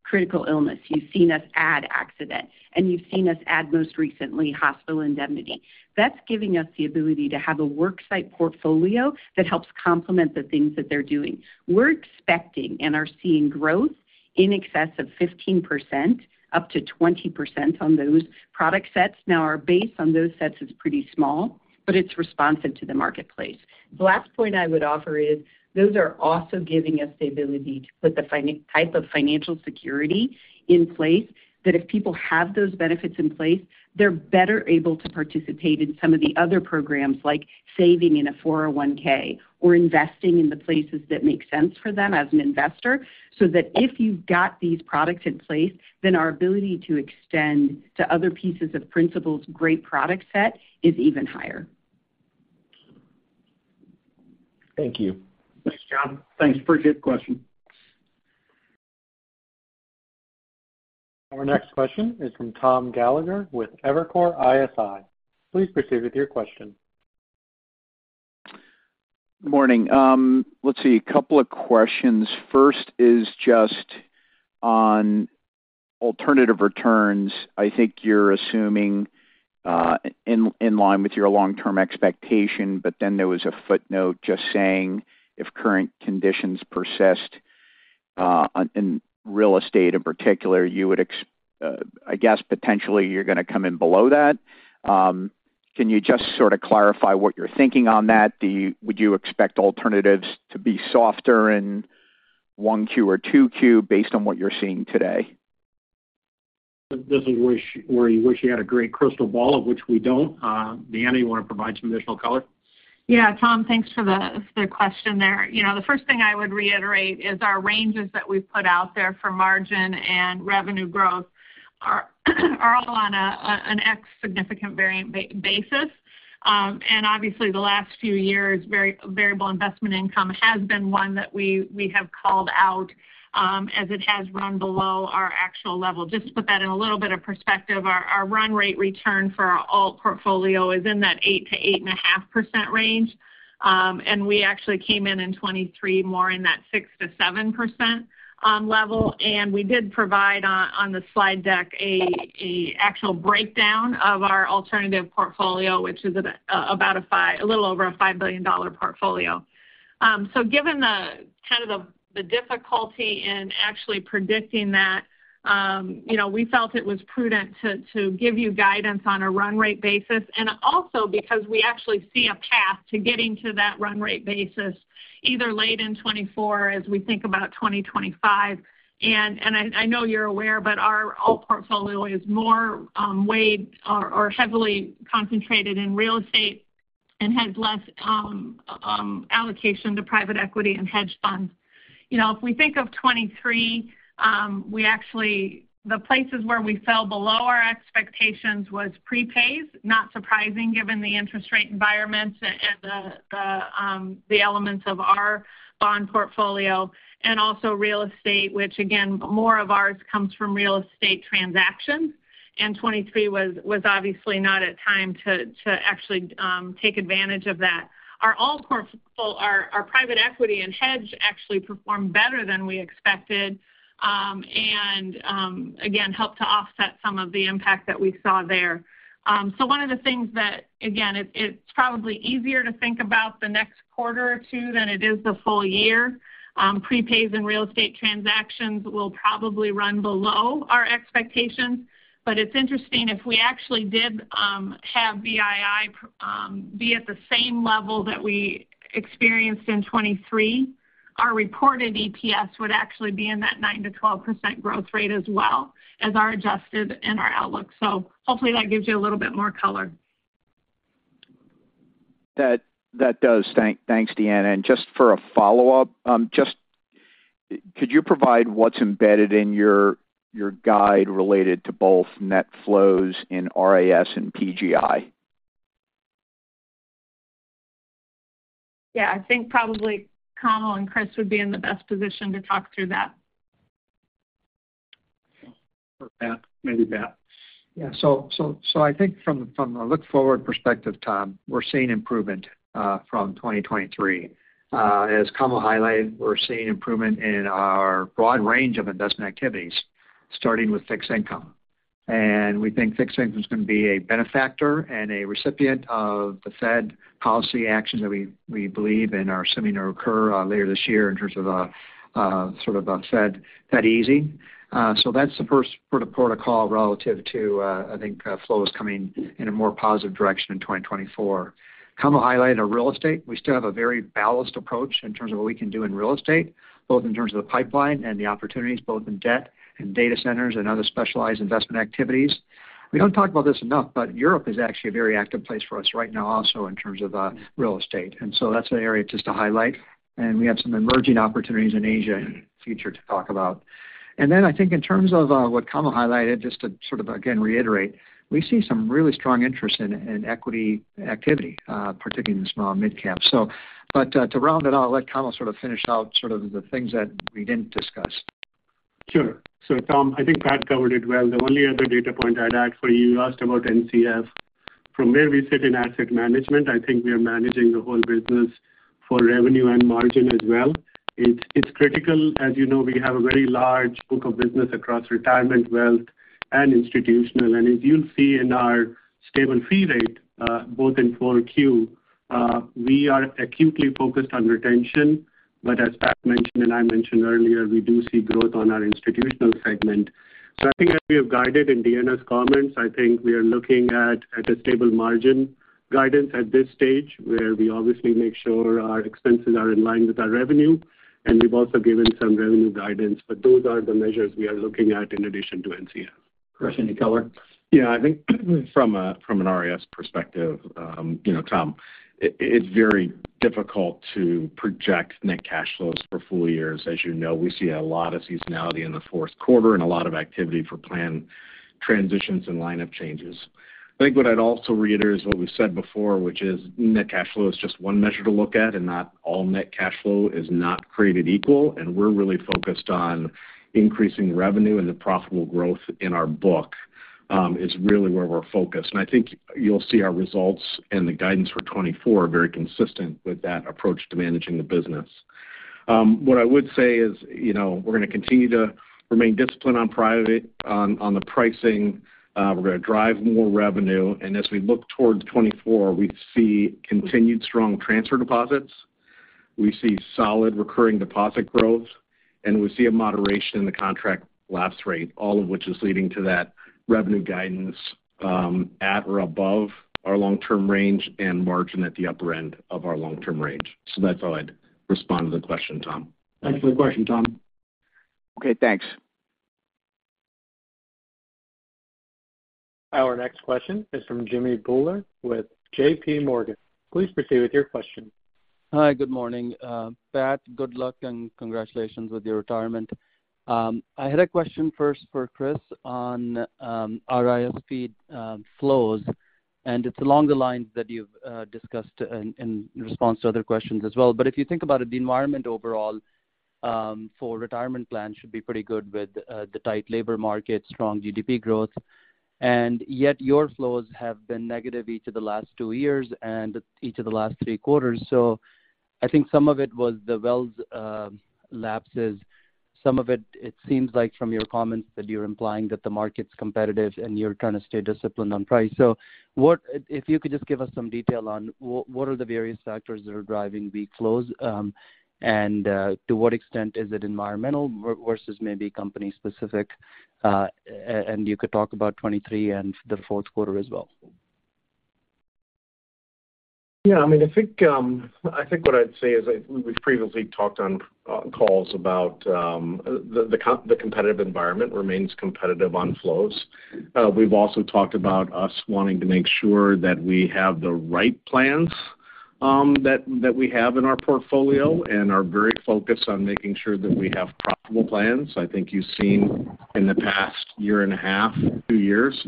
add critical illness, you've seen us add accident, and you've seen us add, most recently, hospital indemnity. That's giving us the ability to have a worksite portfolio that helps complement the things that they're doing. We're expecting and are seeing growth in excess of 15%, up to 20% on those product sets. Now, our base on those sets is pretty small, but it's responsive to the marketplace. The last point I would offer is, those are also giving us the ability to put the financial type of financial security in place, that if people have those benefits in place, they're better able to participate in some of the other programs, like saving in a 401(k), or investing in the places that make sense for them as an investor, so that if you've got these products in place, then our ability to extend to other pieces of Principal's great product set is even higher. Thank you. Thanks, John. Thanks for a good question. Our next question is from Tom Gallagher with Evercore ISI. Please proceed with your question. Good morning. Let's see, a couple of questions. First is just on alternative returns. I think you're assuming in line with your long-term expectation, but then there was a footnote just saying, if current conditions persist in real estate, in particular, you would, I guess, potentially you're going to come in below that. Can you just sort of clarify what you're thinking on that? Would you expect alternatives to be softer in 1Q or 2Q based on what you're seeing today? This is where you wish you had a great crystal ball, of which we don't. Deanna, you want to provide some additional color? Yeah, Tom, thanks for the question there. You know, the first thing I would reiterate is our ranges that we've put out there for margin and revenue growth are all on an ex-significant variance basis. And obviously, the last few years, variable investment income has been one that we have called out, as it has run below our actual level. Just to put that in a little bit of perspective, our run rate return for our alt portfolio is in that 8% to 8.5% range. And we actually came in in 2023 more in that 6% to 7% level. And we did provide on the slide deck, an actual breakdown of our alternative portfolio, which is about a little over a $5 billion portfolio. So given the kind of difficulty in actually predicting that, you know, we felt it was prudent to give you guidance on a run rate basis, and also because we actually see a path to getting to that run rate basis, either late in 2024 as we think about 2025. And I know you're aware, but our alt portfolio is more weighted or heavily concentrated in real estate and has less allocation to private equity and hedge funds. You know, if we think of 2023, we actually... The places where we fell below our expectations was prepays, not surprising, given the interest rate environment and the elements of our bond portfolio, and also real estate, which, again, more of ours comes from real estate transactions, and 2023 was obviously not a time to actually take advantage of that. Our alt portfolio, our private equity and hedge actually performed better than we expected, and again, helped to offset some of the impact that we saw there. So one of the things that, again, it's probably easier to think about the next quarter or two than it is the full year. Prepays and real estate transactions will probably run below our expectations, but it's interesting, if we actually did have VII be at the same level that we experienced in 2023, our reported EPS would actually be in that 9% to 12% growth rate as well as our adjusted and our outlook. So hopefully that gives you a little bit more color. That does. Thanks, Deanna. And just for a follow-up, just could you provide what's embedded in your guide related to both net flows in RIS and PGI? Yeah, I think probably Kamal and Chris would be in the best position to talk through that. Or Pat, maybe Pat. Yeah, so I think from a look-forward perspective, Tom, we're seeing improvement from 2023. As Kamal highlighted, we're seeing improvement in our broad range of investment activities, starting with fixed income. And we think fixed income is going to be a benefactor and a recipient of the Fed policy actions that we believe and are assuming to occur later this year in terms of sort of a Fed easing. So that's the first port of call relative to, I think, flows coming in a more positive direction in 2024. Kamal highlighted our real estate. We still have a very balanced approach in terms of what we can do in real estate, both in terms of the pipeline and the opportunities, both in debt and data centers and other specialized investment activities. We don't talk about this enough, but Europe is actually a very active place for us right now, also in terms of real estate, and so that's an area just to highlight. We have some emerging opportunities in Asia in the future to talk about.... And then I think in terms of what Kamal highlighted, just to sort of again reiterate, we see some really strong interest in equity activity, particularly in the small- and mid-cap. So, but, to round it out, I'll let Kamal sort of finish out the things that we didn't discuss. Sure. So Tom, I think Pat covered it well. The only other data point I'd add for you, you asked about NCF. From where we sit in asset management, I think we are managing the whole business for revenue and margin as well. It's, it's critical. As you know, we have a very large book of business across retirement, wealth, and institutional. And as you'll see in our stable fee rate, both in 4Q, we are acutely focused on retention. But as Pat mentioned and I mentioned earlier, we do see growth on our institutional segment. So I think as we have guided in Deanna's comments, I think we are looking at a stable margin guidance at this stage, where we obviously make sure our expenses are in line with our revenue, and we've also given some revenue guidance, but those are the measures we are looking at in addition to NCF. Chris, any color? Yeah, I think from an RIS perspective, you know, Tom, it's very difficult to project net cash flows for full years. As you know, we see a lot of seasonality in the fourth quarter and a lot of activity for plan transitions and lineup changes. I think what I'd also reiterate what we've said before, which is net cash flow is just one measure to look at, and not all net cash flow is not created equal, and we're really focused on increasing revenue and the profitable growth in our book is really where we're focused. And I think you'll see our results and the guidance for 2024 are very consistent with that approach to managing the business. What I would say is, you know, we're going to continue to remain disciplined on private, on the pricing. We're going to drive more revenue, and as we look towards 2024, we see continued strong transfer deposits, we see solid recurring deposit growth, and we see a moderation in the contract lapse rate, all of which is leading to that revenue guidance, at or above our long-term range and margin at the upper end of our long-term range. So that's how I'd respond to the question, Tom. Thanks for the question, Tom. Okay, thanks. Our next question is from Jimmy Bhullar with J.P. Morgan. Please proceed with your question. Hi, good morning. Pat, good luck and congratulations with your retirement. I had a question first for Chris on our RIS flows, and it's along the lines that you've discussed in response to other questions as well. But if you think about it, the environment overall for retirement plans should be pretty good with the tight labor market, strong GDP growth, and yet your flows have been negative each of the last two years and each of the last three quarters. So I think some of it was the Wells lapses. Some of it, it seems like from your comments, that you're implying that the market's competitive and you're trying to stay disciplined on price. So what if you could just give us some detail on what are the various factors that are driving weak flows? To what extent is it environmental versus maybe company specific? And you could talk about 2023 and the fourth quarter as well. Yeah, I mean, I think, I think what I'd say is, we've previously talked on calls about the competitive environment remains competitive on flows. We've also talked about us wanting to make sure that we have the right plans that we have in our portfolio and are very focused on making sure that we have profitable plans. I think you've seen in the past year and a half, two years,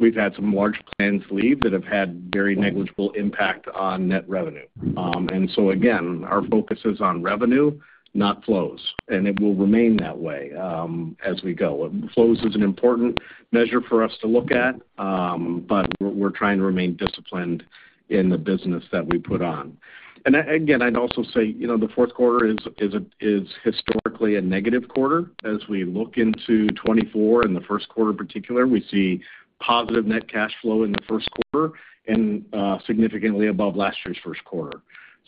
we've had some large plans leave that have had very negligible impact on net revenue. And so again, our focus is on revenue, not flows, and it will remain that way as we go. Flows is an important measure for us to look at, but we're trying to remain disciplined in the business that we put on. Again, I'd also say, you know, the fourth quarter is historically a negative quarter. As we look into 2024, in the first quarter in particular, we see positive net cash flow in the first quarter and significantly above last year's first quarter.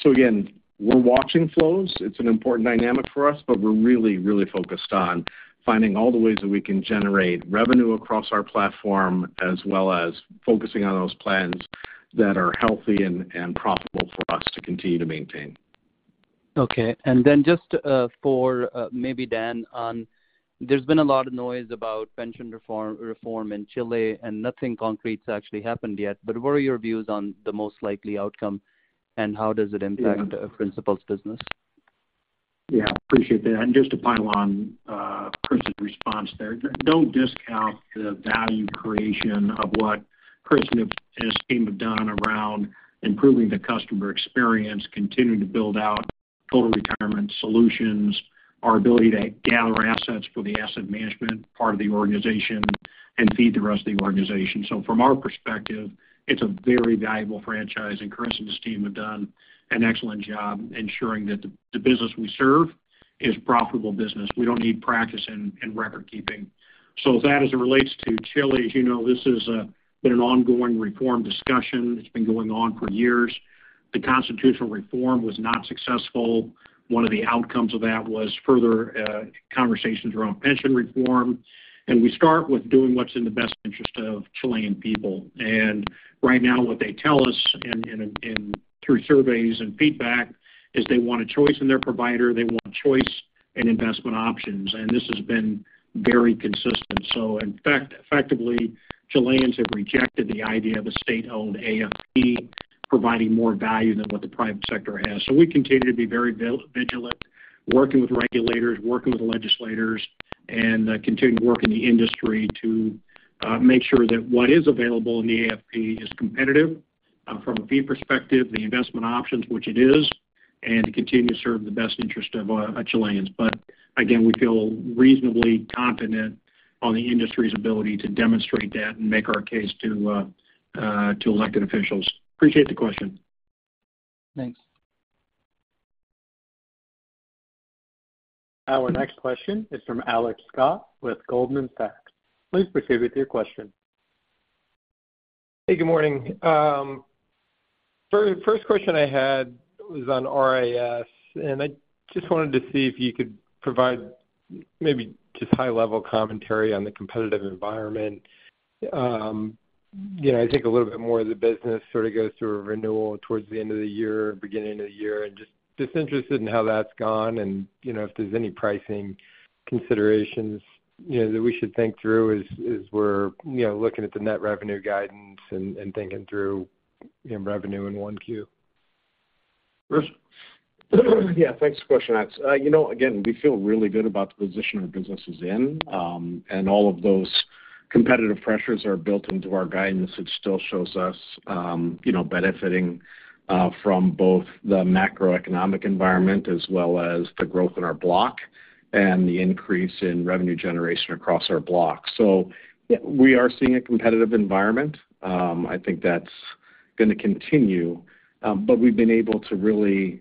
So again, we're watching flows. It's an important dynamic for us, but we're really, really focused on finding all the ways that we can generate revenue across our platform, as well as focusing on those plans that are healthy and profitable for us to continue to maintain. Okay. And then just, for, maybe Dan on... There's been a lot of noise about pension reform, reform in Chile, and nothing concrete's actually happened yet. But what are your views on the most likely outcome, and how does it impact Principal's business? Yeah, appreciate that. And just to pile on, Chris's response there, don't discount the value creation of what Chris and his team have done around improving the customer experience, continuing to build out Total Retirement Solutions, our ability to gather assets for the asset management part of the organization and feed the rest of the organization. So from our perspective, it's a very valuable franchise, and Chris and his team have done an excellent job ensuring that the business we serve is profitable business. We don't need practice in record keeping. So that, as it relates to Chile, as you know, this is been an ongoing reform discussion. It's been going on for years. The constitutional reform was not successful. One of the outcomes of that was further conversations around pension reform, and we start with doing what's in the best interest of Chilean people. Right now, what they tell us through surveys and feedback, is they want a choice in their provider, they want choice and investment options, and this has been very consistent. So in fact, effectively, Chileans have rejected the idea of a state-owned AFP providing more value than what the private sector has. So we continue to be very vigilant, working with regulators, working with legislators, and continue to work in the industry to make sure that what is available in the AFP is competitive from a fee perspective, the investment options, which it is, and to continue to serve the best interest of Chileans. But again, we feel reasonably confident on the industry's ability to demonstrate that and make our case to elected officials. Appreciate the question. Thanks. Our next question is from Alex Scott with Goldman Sachs. Please proceed with your question. Hey, good morning. First question I had was on RIS, and I just wanted to see if you could provide maybe just high-level commentary on the competitive environment. You know, I think a little bit more of the business sort of goes through a renewal towards the end of the year, beginning of the year, and just interested in how that's gone and, you know, if there's any pricing considerations, you know, that we should think through as we're, you know, looking at the net revenue guidance and thinking through, you know, revenue in 1Q. Chris? Yeah, thanks for the question, Alex. You know, again, we feel really good about the position our business is in. And all of those competitive pressures are built into our guidance. It still shows us, you know, benefiting from both the macroeconomic environment as well as the growth in our block and the increase in revenue generation across our block. So we are seeing a competitive environment. I think that's going to continue. But we've been able to really,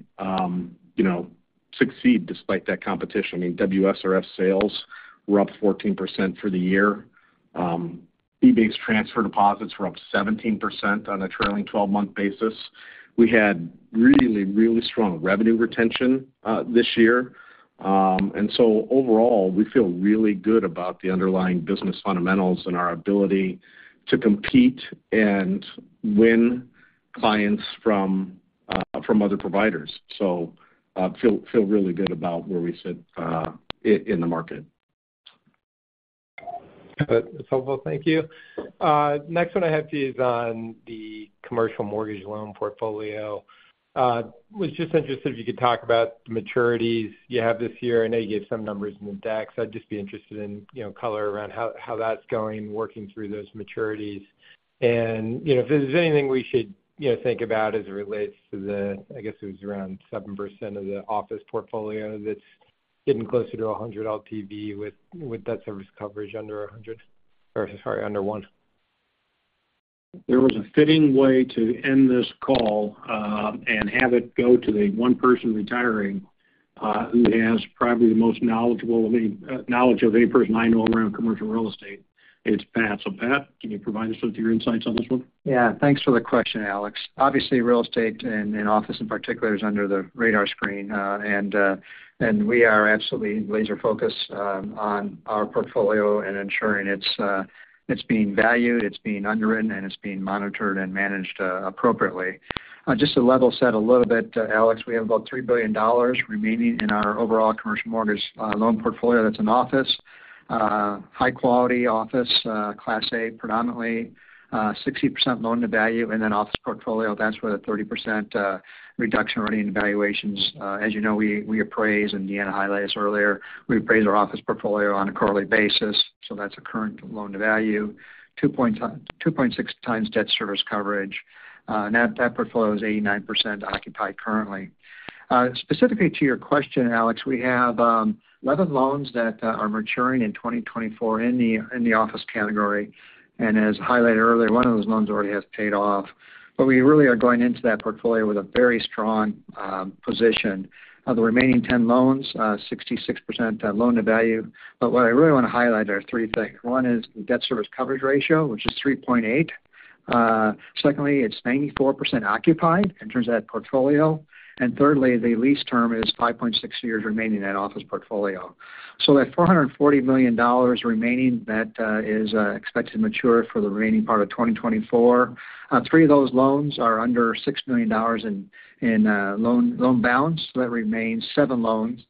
you know, succeed despite that competition. I mean, WSRS sales were up 14% for the year. Fee-based transfer deposits were up 17% on a trailing twelve-month basis. We had really, really strong revenue retention this year. So overall, we feel really good about the underlying business fundamentals and our ability to compete and win clients from other providers. So, we feel really good about where we sit in the market. That's helpful. Thank you. Next one I have to you is on the commercial mortgage loan portfolio. I was just interested if you could talk about the maturities you have this year. I know you gave some numbers in the deck, so I'd just be interested in, you know, color around how, how that's going, working through those maturities. And, you know, if there's anything we should, you know, think about as it relates to the, I guess, it was around 7% of the office portfolio that's getting closer to 100 LTV with, with debt service coverage under 100, or sorry, under one. There was a fitting way to end this call, and have it go to the one person retiring, who has probably the most knowledgeable, I mean, knowledge of any person I know around commercial real estate. It's Pat. So, Pat, can you provide us with your insights on this one? Yeah, thanks for the question, Alex. Obviously, real estate and office in particular is under the radar screen, and we are absolutely laser focused on our portfolio and ensuring it's being valued, it's being underwritten, and it's being monitored and managed appropriately. Just to level set a little bit, Alex, we have about $3 billion remaining in our overall commercial mortgage loan portfolio. That's an office high quality office Class A, predominantly 60% loan-to-value, and then office portfolio, that's where the 30% reduction running evaluations. As you know, we appraise, and Deanna highlighted this earlier, we appraise our office portfolio on a quarterly basis, so that's a current loan-to-value, 2.6x debt service coverage. And that portfolio is 89% occupied currently. Specifically to your question, Alex, we have 11 loans that are maturing in 2024 in the office category, and as highlighted earlier, one of those loans already has paid off. But we really are going into that portfolio with a very strong position. Of the remaining 10 loans, 66% loan-to-value. But what I really want to highlight are three things. One is the debt service coverage ratio, which is 3.8. Secondly, it's 94% occupied in terms of that portfolio, and thirdly, the lease term is 5.6 years remaining in that office portfolio. So that $440 million remaining is expected to mature for the remaining part of 2024. Three of those loans are under $6 million in loan balance. So that remains seven loans,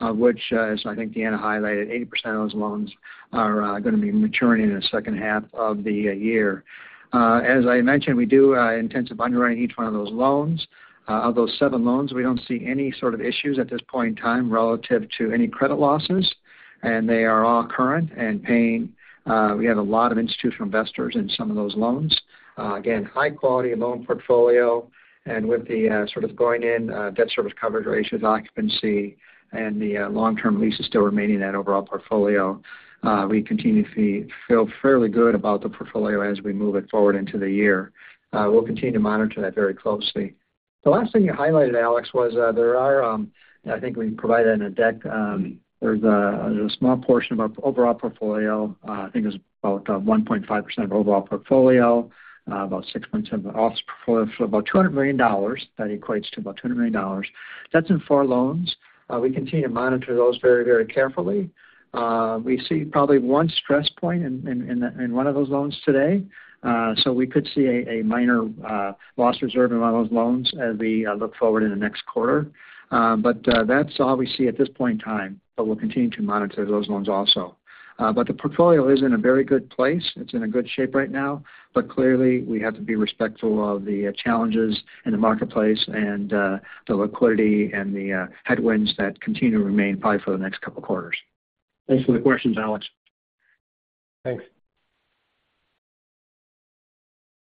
which, as I think Deanna highlighted, 80% of those loans are going to be maturing in the second half of the year. As I mentioned, we do intensive underwriting each one of those loans. Of those seven loans, we don't see any sort of issues at this point in time relative to any credit losses, and they are all current and paying. We have a lot of institutional investors in some of those loans. Again, high quality of loan portfolio, and with the sort of going in debt service coverage ratios, occupancy, and the long-term leases still remaining in that overall portfolio, we continue to feel fairly good about the portfolio as we move it forward into the year. We'll continue to monitor that very closely. The last thing you highlighted, Alex, was there are. I think we provided in a deck. There's a small portion of our overall portfolio. I think it's about 1.5% of overall portfolio, about 6.10% of the office portfolio, for about $200 million. That equates to about $200 million. That's in four loans. We continue to monitor those very, very carefully. We see probably one stress point in one of those loans today. So we could see a minor loss reserve in one of those loans as we look forward in the next quarter. But that's all we see at this point in time, but we'll continue to monitor those loans also. But the portfolio is in a very good place. It's in a good shape right now, but clearly, we have to be respectful of the challenges in the marketplace and the liquidity and the headwinds that continue to remain, probably for the next couple of quarters. Thanks for the questions, Alex. Thanks.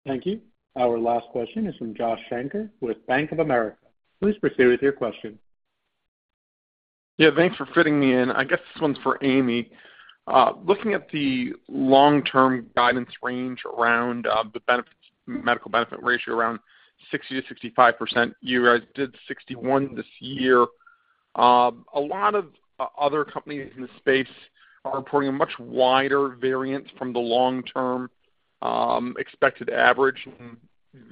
Thank you. Our last question is from Josh Shanker with Bank of America. Please proceed with your question. Yeah, thanks for fitting me in. I guess this one's for Amy. Looking at the long-term guidance range around the benefits, medical benefit ratio, around 60% to 65%, you guys did 61% this year. A lot of other companies in the space are reporting a much wider variance from the long-term expected average.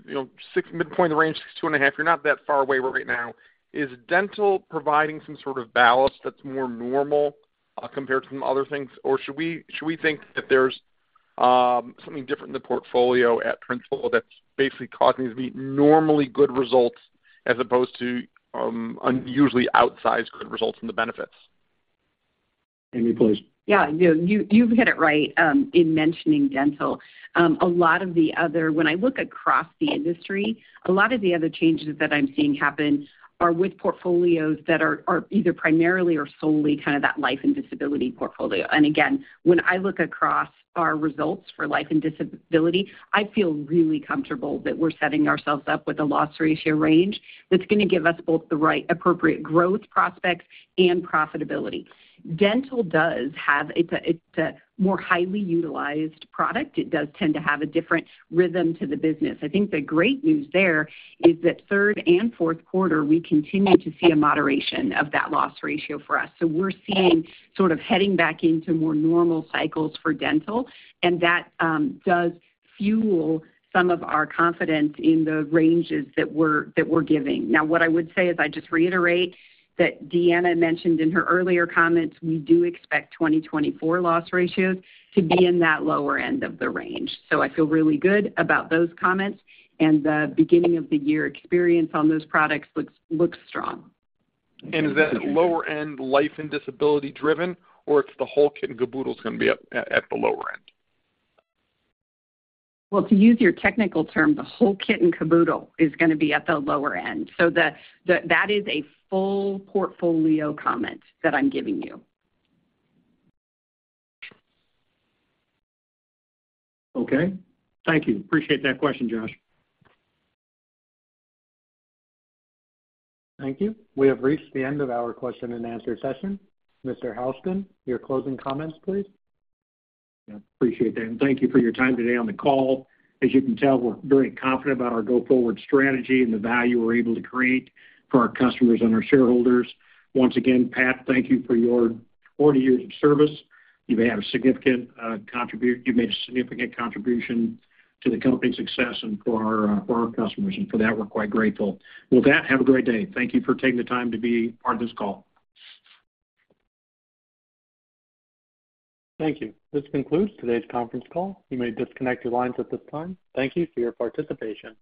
You know, midpoint of the range, 62.5%, you're not that far away right now. Is dental providing some sort of ballast that's more normal compared to some other things? Or should we think that there's something different in the portfolio at Principal that's basically causing these to be normally good results, as opposed to unusually outsized good results from the benefits? Amy, please. Yeah, you've hit it right in mentioning dental. A lot of the other... When I look across the industry, a lot of the other changes that I'm seeing happen are with portfolios that are either primarily or solely kind of that life and disability portfolio. And again, when I look across our results for life and disability, I feel really comfortable that we're setting ourselves up with a loss ratio range that's going to give us both the right appropriate growth prospects and profitability. Dental does have. It's a more highly utilized product. It does tend to have a different rhythm to the business. I think the great news there is that third and fourth quarter, we continue to see a moderation of that loss ratio for us. So we're seeing sort of heading back into more normal cycles for dental, and that does fuel some of our confidence in the ranges that we're giving. Now, what I would say is I just reiterate that Deanna mentioned in her earlier comments, we do expect 2024 loss ratios to be in that lower end of the range. So I feel really good about those comments, and the beginning of the year experience on those products looks strong. Is that lower end life and disability driven, or it's the whole kit and caboodle going to be at the lower end? Well, to use your technical term, the whole kit and caboodle is going to be at the lower end. So the, that is a full portfolio comment that I'm giving you. Okay. Thank you. Appreciate that question, Josh. Thank you. We have reached the end of our question-and-answer session. Mr. Houston, your closing comments, please. Yeah, appreciate that, and thank you for your time today on the call. As you can tell, we're very confident about our go-forward strategy and the value we're able to create for our customers and our shareholders. Once again, Pat, thank you for your 40 years of service. You've made a significant contribution to the company's success and for our customers, and for that, we're quite grateful. With that, have a great day. Thank you for taking the time to be part of this call. Thank you. This concludes today's conference call. You may disconnect your lines at this time. Thank you for your participation.